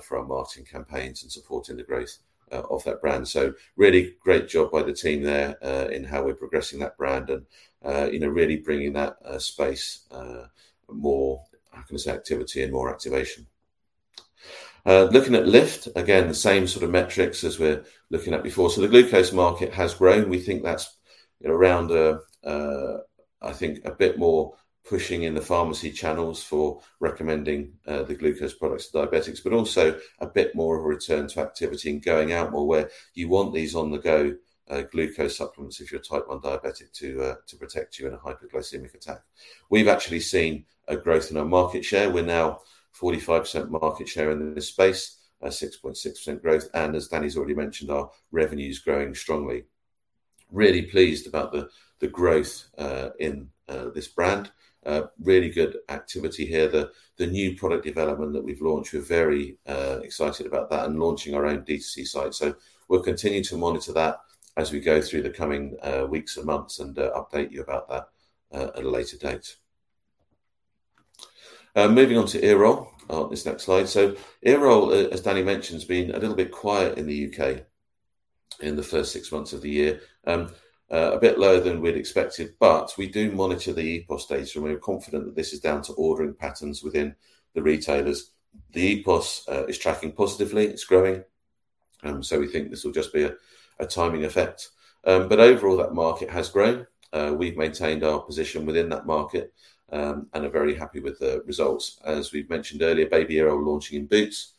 for our marketing campaigns and supporting the growth of that brand. So really great job by the team there in how we're progressing that brand and, you know, really bringing that space more, how can I say, activity and more activation. Looking at Lift, again, the same sort of metrics as we're looking at before. So the glucose market has grown. We think that's around. I think a bit more pushing in the pharmacy channels for recommending the glucose products to diabetics, but also a bit more of a return to activity and going out more where you want these on-the-go glucose supplements if you're a type 1 diabetic, to to protect you in a hypoglycemic attack. We've actually seen a growth in our market share. We're now 45% market share in this space, 6.6% growth, and as Danny's already mentioned, our revenue's growing strongly. Really pleased about the growth in this brand. Really good activity here. The new product development that we've launched, we're very excited about that and launching our own D2C site. So we'll continue to monitor that as we go through the coming weeks and months and update you about that at a later date. Moving on to Earol, this next slide. So Earol, as Danny mentioned, has been a little bit quiet in the U.K. in the first six months of the year. A bit lower than we'd expected, but we do monitor the EPOS data, and we're confident that this is down to ordering patterns within the retailers. The EPOS is tracking positively, it's growing, so we think this will just be a timing effect. But overall, that market has grown. We've maintained our position within that market, and are very happy with the results. As we've mentioned earlier, Baby Earol launching in Boots,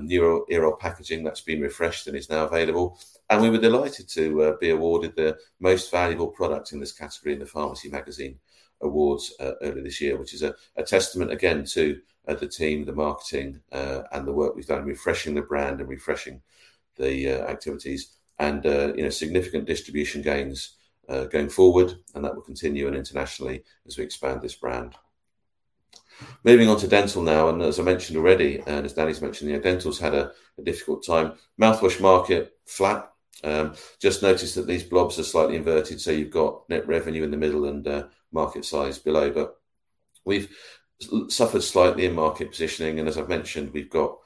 new Earol packaging that's been refreshed and is now available. We were delighted to be awarded the Most Valuable Product in this category in the Pharmacy Magazine awards earlier this year, which is a testament again to the team, the marketing, and the work we've done in refreshing the brand and refreshing the activities, and you know, significant distribution gains going forward, and that will continue and internationally as we expand this brand. Moving on to Dentyl now, and as I mentioned already, and as Danny's mentioned, you know, Dentyl's had a difficult time. Mouthwash market, flat. Just notice that these blobs are slightly inverted, so you've got net revenue in the middle and market size below. But we've suffered slightly in market positioning, and as I've mentioned, we've got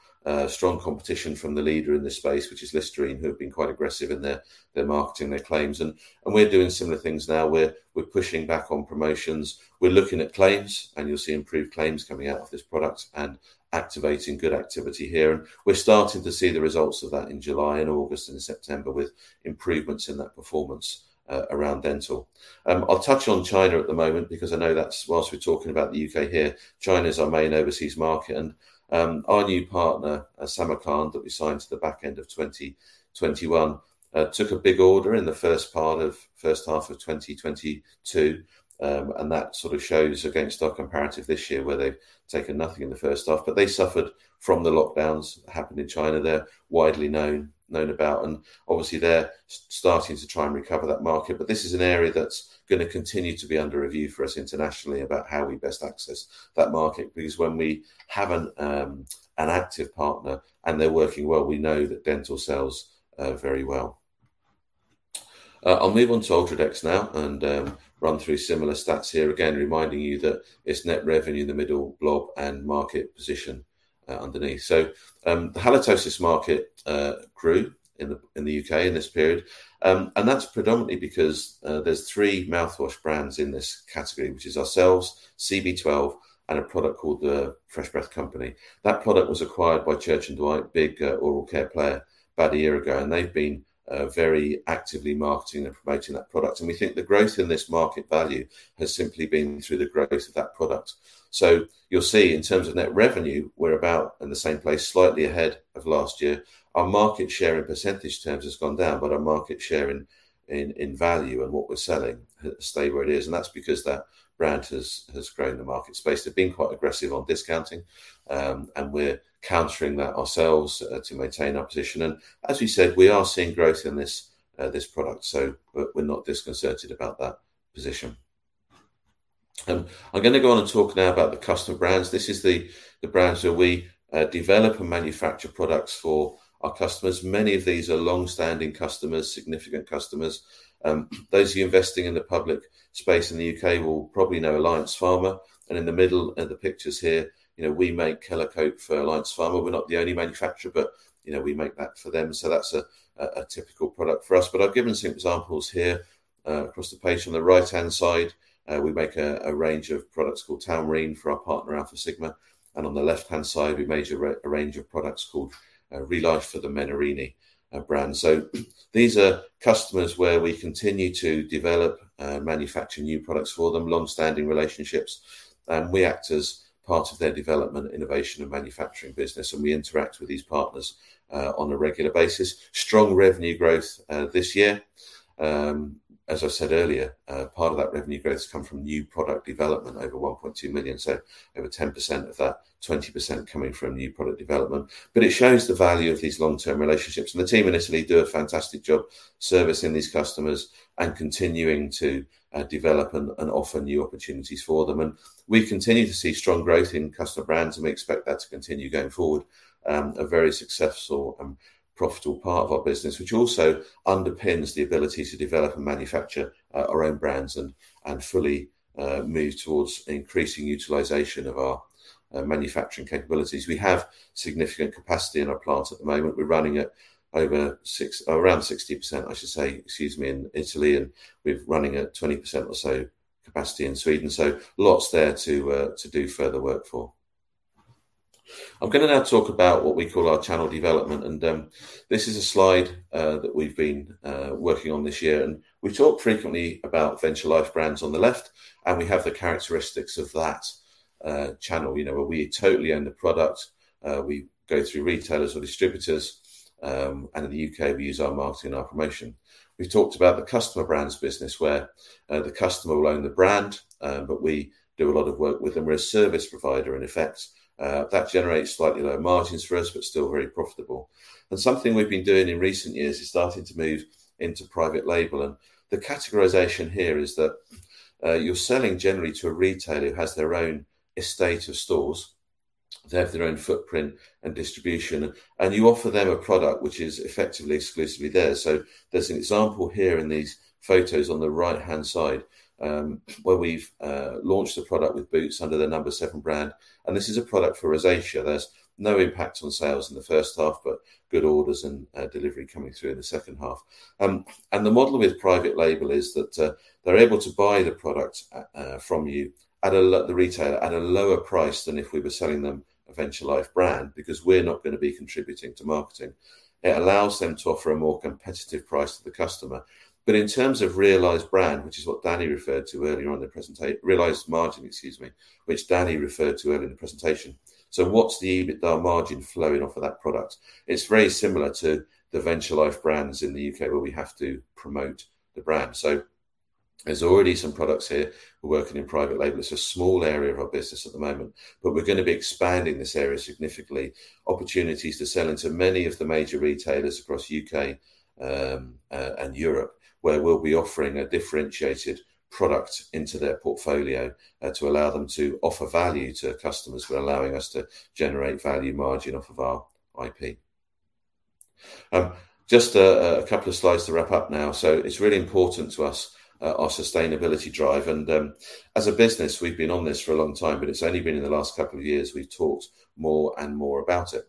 strong competition from the leader in this space, which is Listerine, who have been quite aggressive in their marketing, their claims. And we're doing similar things now, we're pushing back on promotions. We're looking at claims, and you'll see improved claims coming out of this product and activating good activity here. And we're starting to see the results of that in July and August and September, with improvements in that performance around Dentyl. I'll touch on China at the moment because I know that's while we're talking about the U.K. here, China is our main overseas market. And our new partner, Samarkand, that we signed to the back end of 2021, took a big order in the first half of 2022. And that sort of shows against our comparative this year, where they've taken nothing in the first half, but they suffered from the lockdowns happened in China. They're widely known, known about, and obviously they're starting to try and recover that market. But this is an area that's gonna continue to be under review for us internationally about how we best access that market, because when we have an, an active partner and they're working well, we know that Dentyl sells, very well. I'll move on to UltraDEX now and, run through similar stats here. Again, reminding you that it's net revenue in the middle block and market position, underneath. So, the halitosis market grew in the U.K. in this period. And that's predominantly because there's three mouthwash brands in this category, which is ourselves, CB12, and a product called The Fresh Breath Company. That product was acquired by Church & Dwight, big oral care player, about a year ago, and they've been very actively marketing and promoting that product. And we think the growth in this market value has simply been through the growth of that product. So you'll see, in terms of net revenue, we're about in the same place, slightly ahead of last year. Our market share in percentage terms has gone down, but our market share in value and what we're selling has stayed where it is, and that's because that brand has grown the market space. They've been quite aggressive on discounting, and we're countering that ourselves to maintain our position. And as we said, we are seeing growth in this, this product, so we're not disconcerted about that position. I'm gonna go on and talk now about the customer brands. This is the brands where we develop and manufacture products for our customers. Many of these are long-standing customers, significant customers. Those of you investing in the public space in the U.K. will probably know Alliance Pharma, and in the middle of the pictures here, you know, we make Kelo-cote for Alliance Pharma. We're not the only manufacturer, but, you know, we make that for them, so that's a typical product for us. But I've given some examples here, across the page. On the right-hand side, we make a range of products called Tamarine for our partner, Alfasigma, and on the left-hand side, we make a range of products called ReLife for the Menarini brand. So these are customers where we continue to develop and manufacture new products for them, long-standing relationships, and we act as part of their development, innovation and manufacturing business, and we interact with these partners on a regular basis. Strong revenue growth this year. As I said earlier, part of that revenue growth has come from new product development, over 1.2 million, so over 10% of that, 20% coming from new product development. But it shows the value of these long-term relationships, and the team in Italy do a fantastic job servicing these customers and continuing to develop and offer new opportunities for them. And we continue to see strong growth in customer brands, and we expect that to continue going forward. A very successful and profitable part of our business, which also underpins the ability to develop and manufacture our own brands and fully move towards increasing utilization of our manufacturing capabilities. We have significant capacity in our plant at the moment. We're running at over around 60%, I should say, excuse me, in Italy, and we're running at 20% or so capacity in Sweden. So lots there to do further work for. I'm gonna now talk about what we call our channel development, and this is a slide that we've been working on this year. We talk frequently about Venture Life brands on the left, and we have the characteristics of that channel, you know, where we totally own the product, we go through retailers or distributors, and in the U.K, we use our marketing and our promotion. We've talked about the customer brands business where the customer will own the brand, but we do a lot of work with them. We're a service provider in effect. That generates slightly lower margins for us, but still very profitable. And something we've been doing in recent years is starting to move into private label, and the categorization here is that, you're selling generally to a retailer who has their own estate of stores. They have their own footprint and distribution, and you offer them a product which is effectively exclusively theirs. So there's an example here in these photos on the right-hand side, where we've launched a product with Boots under the No7 brand, and this is a product for rosacea. There's no impact on sales in the first half, but good orders and delivery coming through in the second half. The model with private label is that they're able to buy the product from you at a lower price than if we were selling them a Venture Life brand, because we're not going to be contributing to marketing. It allows them to offer a more competitive price to the customer. In terms of realized margin, which is what Danny referred to earlier in the presentation—so what's the EBITDA margin flowing off of that product—it's very similar to the Venture Life brands in the U.K., where we have to promote the brand. There's already some products here. We're working in private label. It's a small area of our business at the moment, but we're going to be expanding this area significantly. Opportunities to sell into many of the major retailers across U.K., and Europe, where we'll be offering a differentiated product into their portfolio, to allow them to offer value to customers while allowing us to generate value margin off of our IP. Just a couple of slides to wrap up now. So it's really important to us, our sustainability drive, and, as a business, we've been on this for a long time, but it's only been in the last couple of years, we've talked more and more about it.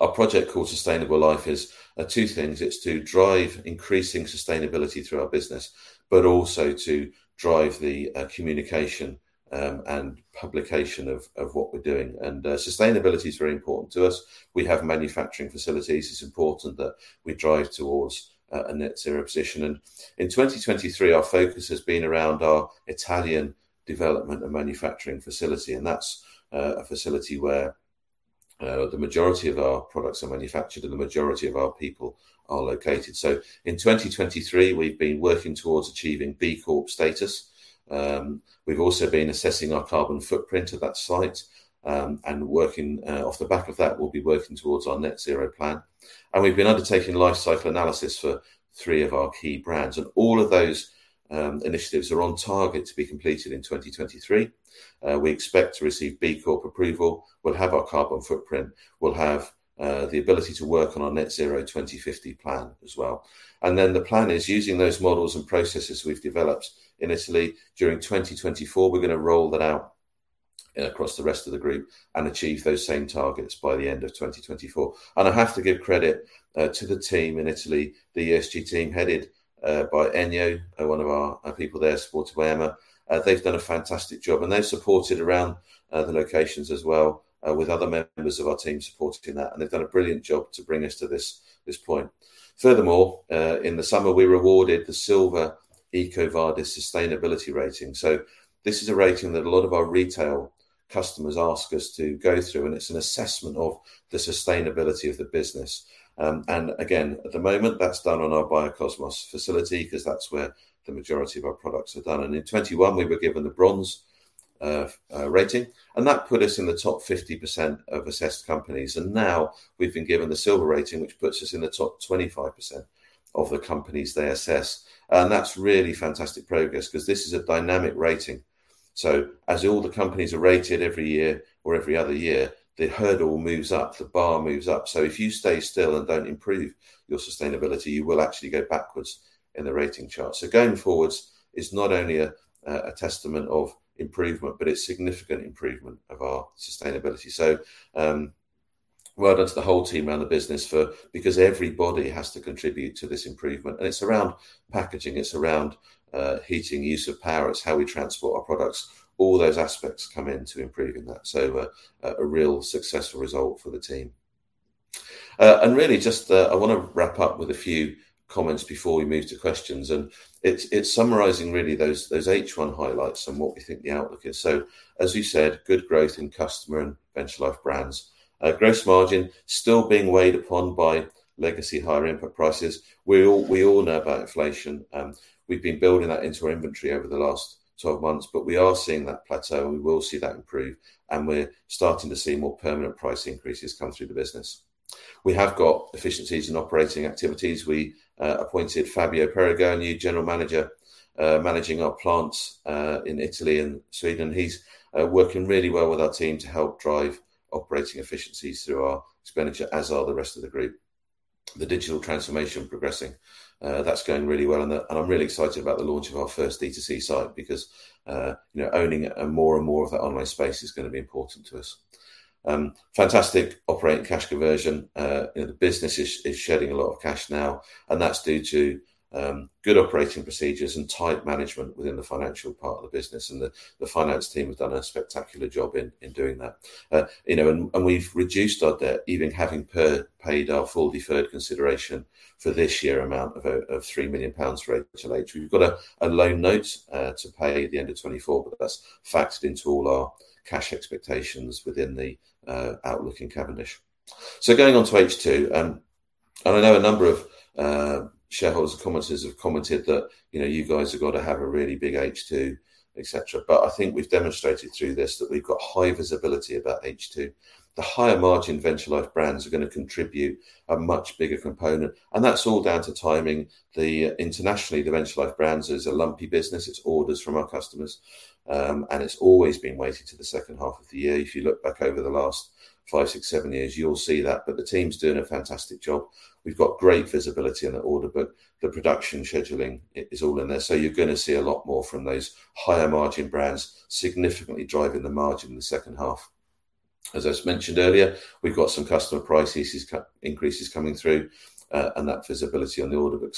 Our project called Sustainable Life is two things. It's to drive increasing sustainability through our business, but also to drive the communication, and publication of what we're doing. And, sustainability is very important to us. We have manufacturing facilities. It's important that we drive towards a net zero position. In 2023, our focus has been around our Italian development and manufacturing facility, and that's a facility where the majority of our products are manufactured and the majority of our people are located. In 2023, we've been working towards achieving B Corp status. We've also been assessing our carbon footprint of that site, and working off the back of that, we'll be working towards our net zero plan. We've been undertaking life cycle analysis for three of our key brands, and all of those initiatives are on target to be completed in 2023. We expect to receive B Corp approval. We'll have our carbon footprint. We'll have the ability to work on our net zero 2050 plan as well. Then the plan is, using those models and processes we've developed in Italy during 2024, we're gonna roll that out and across the rest of the group, and achieve those same targets by the end of 2024. I have to give credit to the team in Italy, the ESG team, headed by Ennio, one of our people there, supported by Emma. They've done a fantastic job, and they've supported around the locations as well, with other members of our team supported in that, and they've done a brilliant job to bring us to this point. Furthermore, in the summer, we rewarded the Silver EcoVadis sustainability rating. So this is a rating that a lot of our retail customers ask us to go through, and it's an assessment of the sustainability of the business. And again, at the moment, that's done on our Biokosmes facility because that's where the majority of our products are done. In 2021, we were given the bronze rating, and that put us in the top 50% of assessed companies. Now we've been given the silver rating, which puts us in the top 25% of the companies they assess. That's really fantastic progress because this is a dynamic rating. As all the companies are rated every year or every other year, the hurdle moves up, the bar moves up. If you stay still and don't improve your sustainability, you will actually go backwards in the rating chart. Going forward is not only a testament of improvement, but a significant improvement of our sustainability. So, well done to the whole team around the business for—because everybody has to contribute to this improvement. And it's around packaging, it's around, heating, use of power, it's how we transport our products. All those aspects come in to improving that. So a real successful result for the team. And really, just, I want to wrap up with a few comments before we move to questions, and it's summarizing really those H1 highlights and what we think the outlook is. So, as you said, good growth in customer and Venture Life brands. Gross margin still being weighed upon by legacy higher input prices. We all know about inflation. We've been building that into our inventory over the last 12 months, but we are seeing that plateau, and we will see that improve, and we're starting to see more permanent price increases come through the business. We have got efficiencies in operating activities. We appointed Fabio Perego, a new general manager, managing our plants in Italy and Sweden. He's working really well with our team to help drive operating efficiencies through our expenditure, as are the rest of the group. The digital transformation progressing. That's going really well, and I'm really excited about the launch of our first D2C site because, you know, owning more and more of that online space is gonna be important to us. Fantastic operating cash conversion. You know, the business is shedding a lot of cash now, and that's due to good operating procedures and tight management within the financial part of the business, and the finance team have done a spectacular job in doing that. You know, and we've reduced our debt, even having pre-paid our full deferred consideration for this year amount of 3 million pounds for H2. We've got a loan note to pay at the end of 2024, but that's factored into all our cash expectations within the outlook in Cavendish. So going on to H2, and I know a number of shareholders and commenters have commented that, "You know, you guys are gonna have a really big H2," et cetera. But I think we've demonstrated through this that we've got high visibility about H2. The higher-margin Venture Life brands are gonna contribute a much bigger component, and that's all down to timing. Internationally, the Venture Life brands is a lumpy business, it's orders from our customers, and it's always been weighted to the second half of the year. If you look back over the last five, six, seven years, you'll see that. The team's doing a fantastic job. We've got great visibility in the order book. The production scheduling is all in there. You're gonna see a lot more from those higher-margin brands, significantly driving the margin in the second half. As I mentioned earlier, we've got some customer price increases, increases coming through, and that visibility on the order book.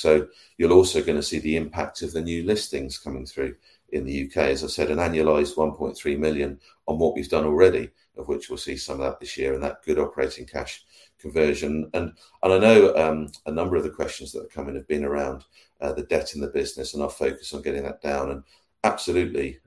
You're also gonna see the impact of the new listings coming through in the U.K. As I said, an annualized 1.3 million on what we've done already, of which we'll see some of that this year, and that good operating cash conversion. And, and I know, a number of the questions that have come in have been around, the debt in the business and our focus on getting that down. And absolutely,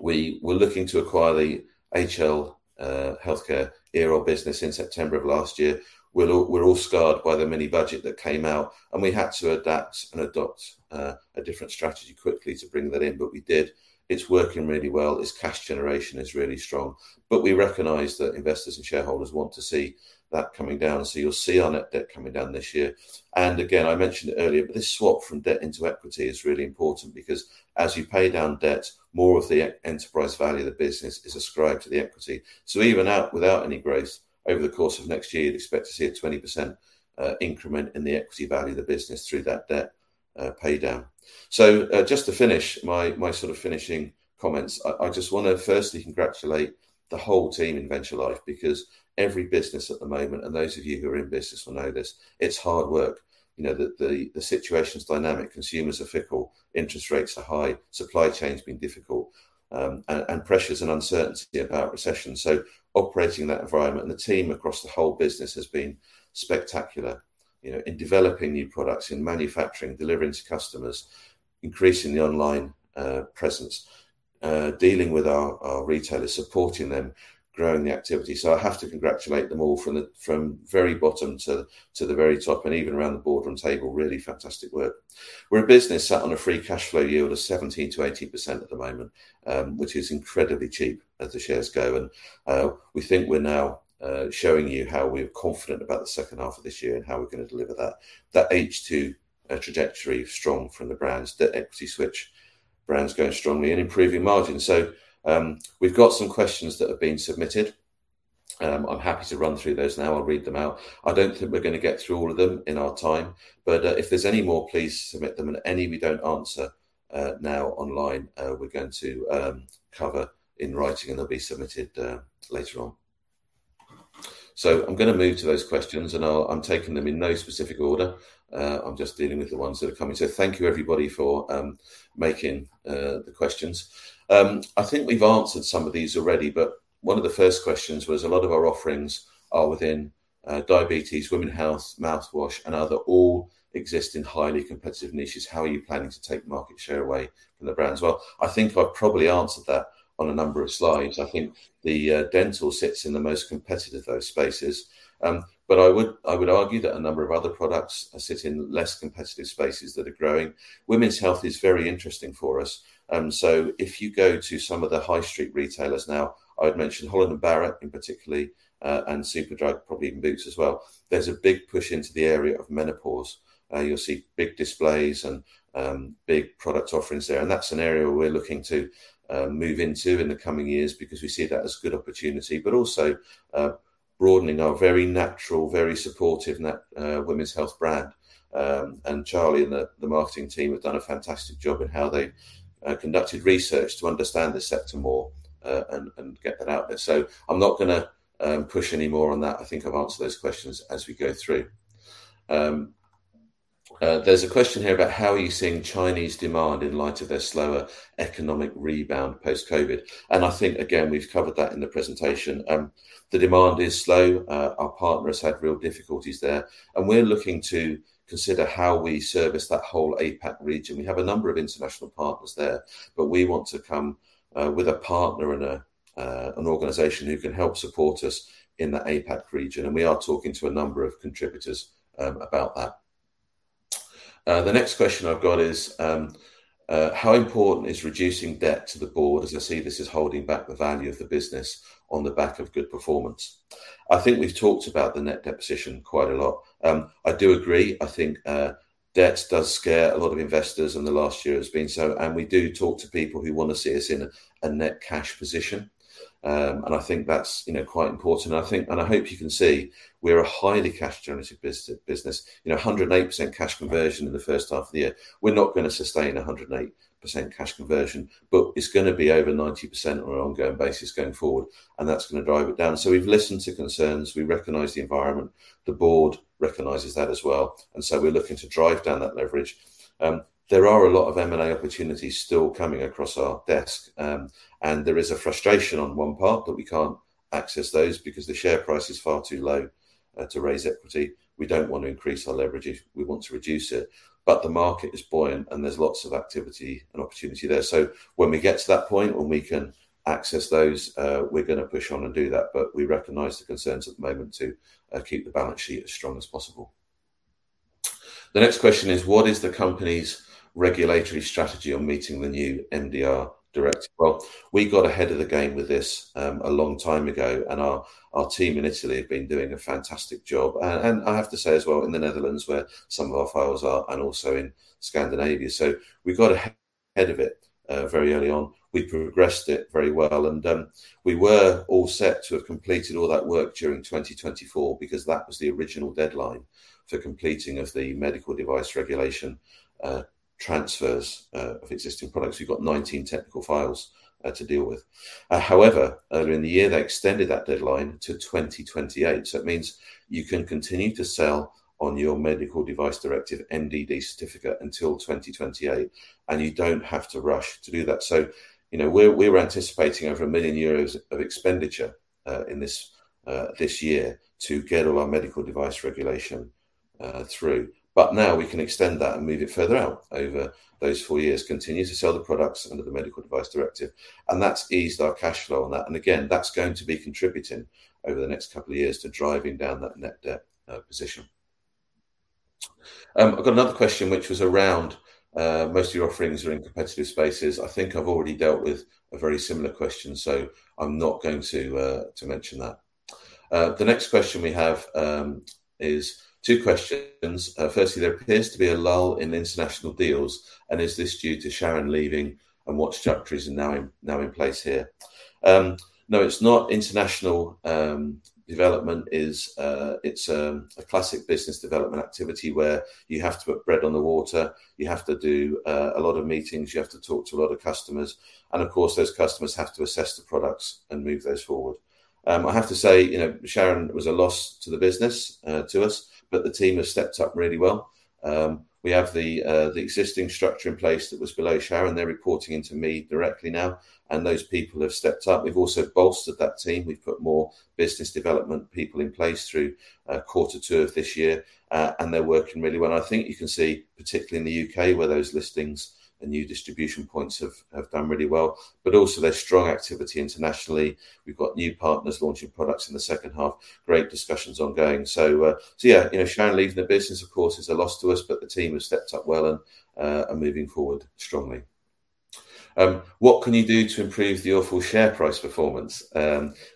we were looking to acquire the HL Healthcare oral business in September of last year. We're all, we're all scarred by the mini budget that came out, and we had to adapt and adopt, a different strategy quickly to bring that in, but we did. It's working really well. Its cash generation is really strong, but we recognize that investors and shareholders want to see that coming down. So you'll see our net debt coming down this year. And again, I mentioned it earlier, but this swap from debt into equity is really important because as you pay down debt, more of the enterprise value of the business is ascribed to the equity. So even out, without any growth, over the course of next year, you'd expect to see a 20% increment in the equity value of the business through that debt pay down. So, just to finish my sort of finishing comments, I just wanna firstly congratulate the whole team in Venture Life, because every business at the moment, and those of you who are in business will know this, it's hard work. You know, the situation's dynamic, consumers are fickle, interest rates are high, supply chain's been difficult, and pressures and uncertainty about recession. So operating in that environment, and the team across the whole business has been spectacular, you know, in developing new products, in manufacturing, delivering to customers, increasing the online presence, dealing with our retailers, supporting them, growing the activity. So I have to congratulate them all from the very bottom to the very top, and even around the boardroom table, really fantastic work. We're a business sat on a free cash flow yield of 17%-80% at the moment, which is incredibly cheap as the shares go. And we think we're now showing you how we're confident about the second half of this year and how we're gonna deliver that H2 trajectory strong from the brands, the equity switch brands going strongly and improving margin. So we've got some questions that have been submitted. I'm happy to run through those now. I'll read them out. I don't think we're gonna get through all of them in our time, but if there's any more, please submit them, and any we don't answer now online, we're going to cover in writing, and they'll be submitted later on. So I'm gonna move to those questions, and I'll-I'm taking them in no specific order. I'm just dealing with the ones that are coming. So thank you, everybody, for making the questions. I think we've answered some of these already, but one of the first questions was: A lot of our offerings are within diabetes, women health, mouthwash, and other all existing highly competitive niches. How are you planning to take market share away from the brands? Well, I think I've probably answered that on a number of slides. I think the Dentyl sits in the most competitive of those spaces. But I would, I would argue that a number of other products sit in less competitive spaces that are growing. Women's health is very interesting for us, so if you go to some of the high street retailers now, I've mentioned Holland and Barrett, in particular, and Superdrug, probably even Boots as well, there's a big push into the area of menopause. You'll see big displays and big product offerings there, and that's an area we're looking to move into in the coming years because we see that as a good opportunity, but also broadening our very natural, very supportive women's health brand. And Charlie and the marketing team have done a fantastic job in how they conducted research to understand the sector more and get that out there. So I'm not gonna push any more on that. I think I've answered those questions as we go through. There's a question here about: How are you seeing Chinese demand in light of their slower economic rebound post-COVID? And I think, again, we've covered that in the presentation. The demand is slow. Our partner has had real difficulties there, and we're looking to consider how we service that whole APAC region. We have a number of international partners there, but we want to come with a partner and an organization who can help support us in the APAC region, and we are talking to a number of contributors about that. The next question I've got is: how important is reducing debt to the board, as I see this is holding back the value of the business on the back of good performance? I think we've talked about the net debt position quite a lot. I do agree. I think, debt does scare a lot of investors, and the last year has been so... And we do talk to people who want to see us in a, a net cash position. And I think that's, you know, quite important. And I think, and I hope you can see, we're a highly cash-generative business. You know, 108% cash conversion in the first half of the year. We're not gonna sustain 108% cash conversion, but it's gonna be over 90% on an ongoing basis going forward, and that's gonna drive it down. So we've listened to concerns, we recognize the environment, the board recognizes that as well, and so we're looking to drive down that leverage. There are a lot of M&A opportunities still coming across our desk, and there is a frustration on one part that we can't access those because the share price is far too low to raise equity. We don't want to increase our leverage, we want to reduce it, but the market is buoyant, and there's lots of activity and opportunity there. So when we get to that point, when we can access those, we're gonna push on and do that, but we recognize the concerns at the moment to keep the balance sheet as strong as possible. The next question is: What is the company's regulatory strategy on meeting the new MDR directive? Well, we got ahead of the game with this a long time ago, and our team in Italy have been doing a fantastic job. And I have to say as well, in the Netherlands, where some of our files are, and also in Scandinavia. So we got ahead of it very early on. We progressed it very well, and we were all set to have completed all that work during 2024 because that was the original deadline for completing of the Medical Device Regulation transfers of existing products. We've got 19 technical files to deal with. However, earlier in the year, they extended that deadline to 2028. So it means you can continue to sell on your Medical Device Directive, MDD certificate, until 2028, and you don't have to rush to do that. So, you know, we're anticipating over 1 million euros of expenditure in this year to get all our medical device regulation through. But now we can extend that and move it further out over those four years, continue to sell the products under the Medical Device Directive, and that's eased our cash flow on that. Again, that's going to be contributing over the next couple of years to driving down that net debt position. I've got another question which was around most of your offerings are in competitive spaces. I think I've already dealt with a very similar question, so I'm not going to mention that. The next question we have is two questions. Firstly: There appears to be a lull in international deals, and is this due to Sharon leaving, and what structures are now in place here? No, it's not. International development is, it's a classic business development activity where you have to put bread on the water, you have to do a lot of meetings, you have to talk to a lot of customers, and of course, those customers have to assess the products and move those forward. I have to say, you know, Sharon was a loss to the business to us, but the team has stepped up really well. We have the existing structure in place that was below Sharon. They're reporting into me directly now, and those people have stepped up. We've also bolstered that team. We've put more business development people in place through quarter two of this year, and they're working really well. I think you can see, particularly in the UK, where those listings and new distribution points have done really well, but also there's strong activity internationally. We've got new partners launching products in the second half. Great discussions ongoing. So, yeah, you know, Sharon leaving the business, of course, is a loss to us, but the team has stepped up well and are moving forward strongly. What can you do to improve the awful share price performance?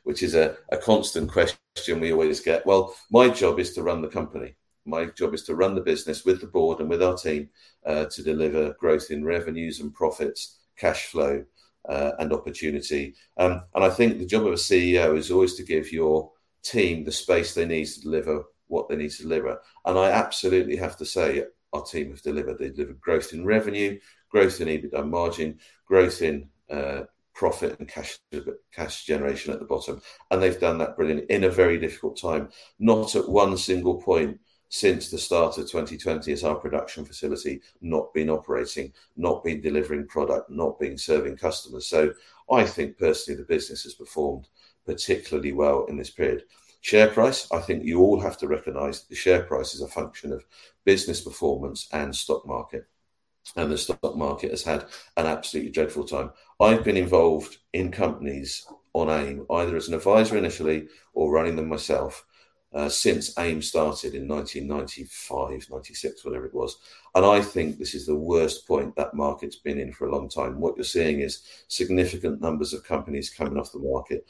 Which is a constant question we always get. Well, my job is to run the company. My job is to run the business with the board and with our team to deliver growth in revenues and profits, cash flow... and opportunity. And I think the job of a CEO is always to give your team the space they need to deliver what they need to deliver, and I absolutely have to say, our team have delivered. They've delivered growth in revenue, growth in EBITDA margin, growth in profit and cash, cash generation at the bottom, and they've done that brilliantly in a very difficult time. Not at one single point since the start of 2020 has our production facility not been operating, not been delivering product, not been serving customers. So I think personally, the business has performed particularly well in this period. Share price, I think you all have to recognize that the share price is a function of business performance and stock market, and the stock market has had an absolutely dreadful time. I've been involved in companies on AIM, either as an advisor initially or running them myself, since AIM started in 1995, 1996, whatever it was, and I think this is the worst point that market's been in for a long time. What you're seeing is significant numbers of companies coming off the market,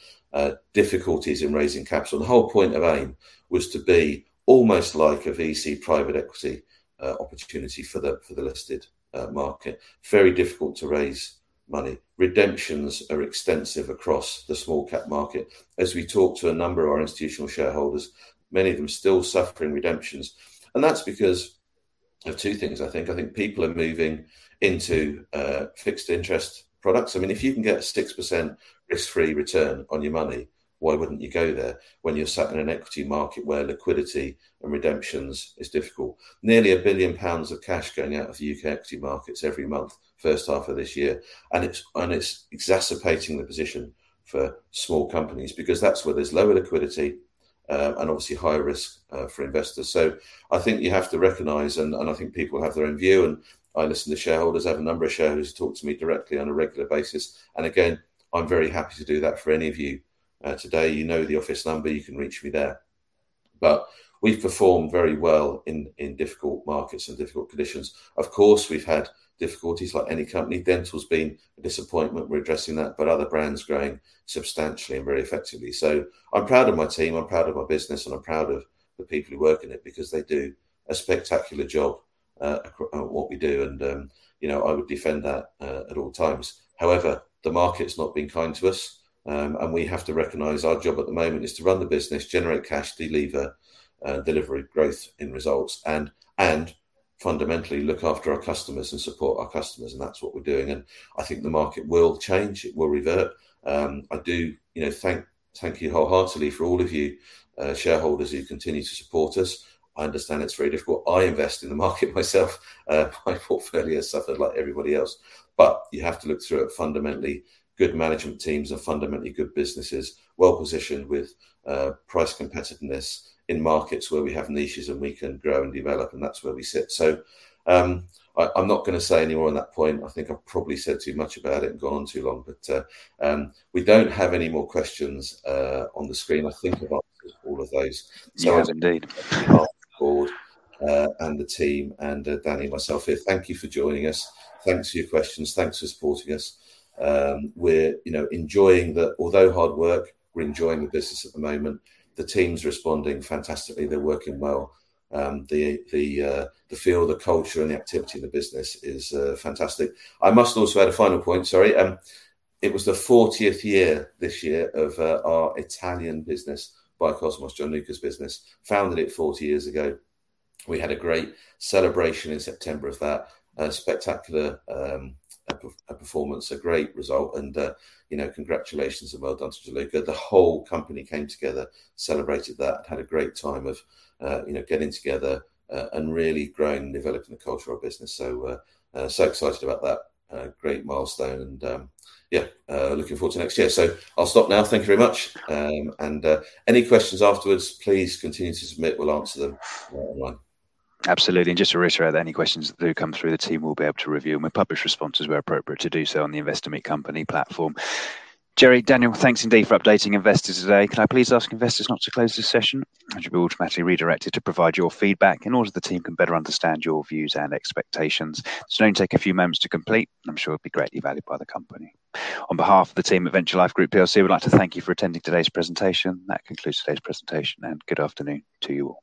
difficulties in raising capital. The whole point of AIM was to be almost like a VC, private equity, opportunity for the, for the listed, market. Very difficult to raise money. Redemptions are extensive across the small cap market. As we talk to a number of our institutional shareholders, many of them are still suffering redemptions, and that's because of two things, I think. I think people are moving into, fixed interest products. I mean, if you can get a 6% risk-free return on your money, why wouldn't you go there when you're sat in an equity market where liquidity and redemptions is difficult? Nearly 1 billion pounds of cash going out of the U.K. equity markets every month, first half of this year, and it's exacerbating the position for small companies because that's where there's lower liquidity, and obviously higher risk for investors. So I think you have to recognize, and I think people have their own view, and I listen to shareholders. I have a number of shareholders talk to me directly on a regular basis, and again, I'm very happy to do that for any of you, today. You know the office number, you can reach me there. But we've performed very well in difficult markets and difficult conditions. Of course, we've had difficulties like any company. Dentyl's been a disappointment, we're addressing that, but other brands growing substantially and very effectively. So I'm proud of my team, I'm proud of my business, and I'm proud of the people who work in it because they do a spectacular job at what we do, and, you know, I would defend that at all times. However, the market's not been kind to us, and we have to recognize our job at the moment is to run the business, generate cash, delever, deliver growth in results and fundamentally look after our customers and support our customers, and that's what we're doing, and I think the market will change. It will revert. I do, you know, thank you wholeheartedly for all of you, shareholders who continue to support us. I understand it's very difficult. I invest in the market myself. My portfolio has suffered like everybody else, but you have to look through it. Fundamentally, good management teams are fundamentally good businesses, well-positioned with price competitiveness in markets where we have niches and we can grow and develop, and that's where we sit. So, I'm not gonna say any more on that point. I think I've probably said too much about it and gone on too long, but we don't have any more questions on the screen. I think I've answered all of those. You have indeed. And the team and Danny and myself here, thank you for joining us. Thanks for your questions. Thanks for supporting us. We're, you know, enjoying the although hard work, we're enjoying the business at the moment. The team's responding fantastically, they're working well. The feel, the culture, and the activity in the business is fantastic. I must also add a final point, sorry. It was the fortieth year this year of our Italian business, Biokosmes, Gianluca's business, founded it 40 years ago. We had a great celebration in September of that spectacular, a performance, a great result, and you know, congratulations and well done to Gianluca. The whole company came together, celebrated that, and had a great time of you know, getting together and really growing and developing the culture of our business. So, excited about that, great milestone, and yeah, looking forward to next year. I'll stop now. Thank you very much. And any questions afterwards, please continue to submit. We'll answer them online. Absolutely, and just to reiterate, any questions that do come through, the team will be able to review, and we'll publish responses where appropriate to do so on the Investor Meet company platform. Jerry, Daniel, thanks indeed for updating investors today. Can I please ask investors not to close this session? You'll be automatically redirected to provide your feedback in order the team can better understand your views and expectations. This will only take a few moments to complete, and I'm sure it'll be greatly valued by the company. On behalf of the team at Venture Life Group plc, we'd like to thank you for attending today's presentation. That concludes today's presentation, and good afternoon to you all.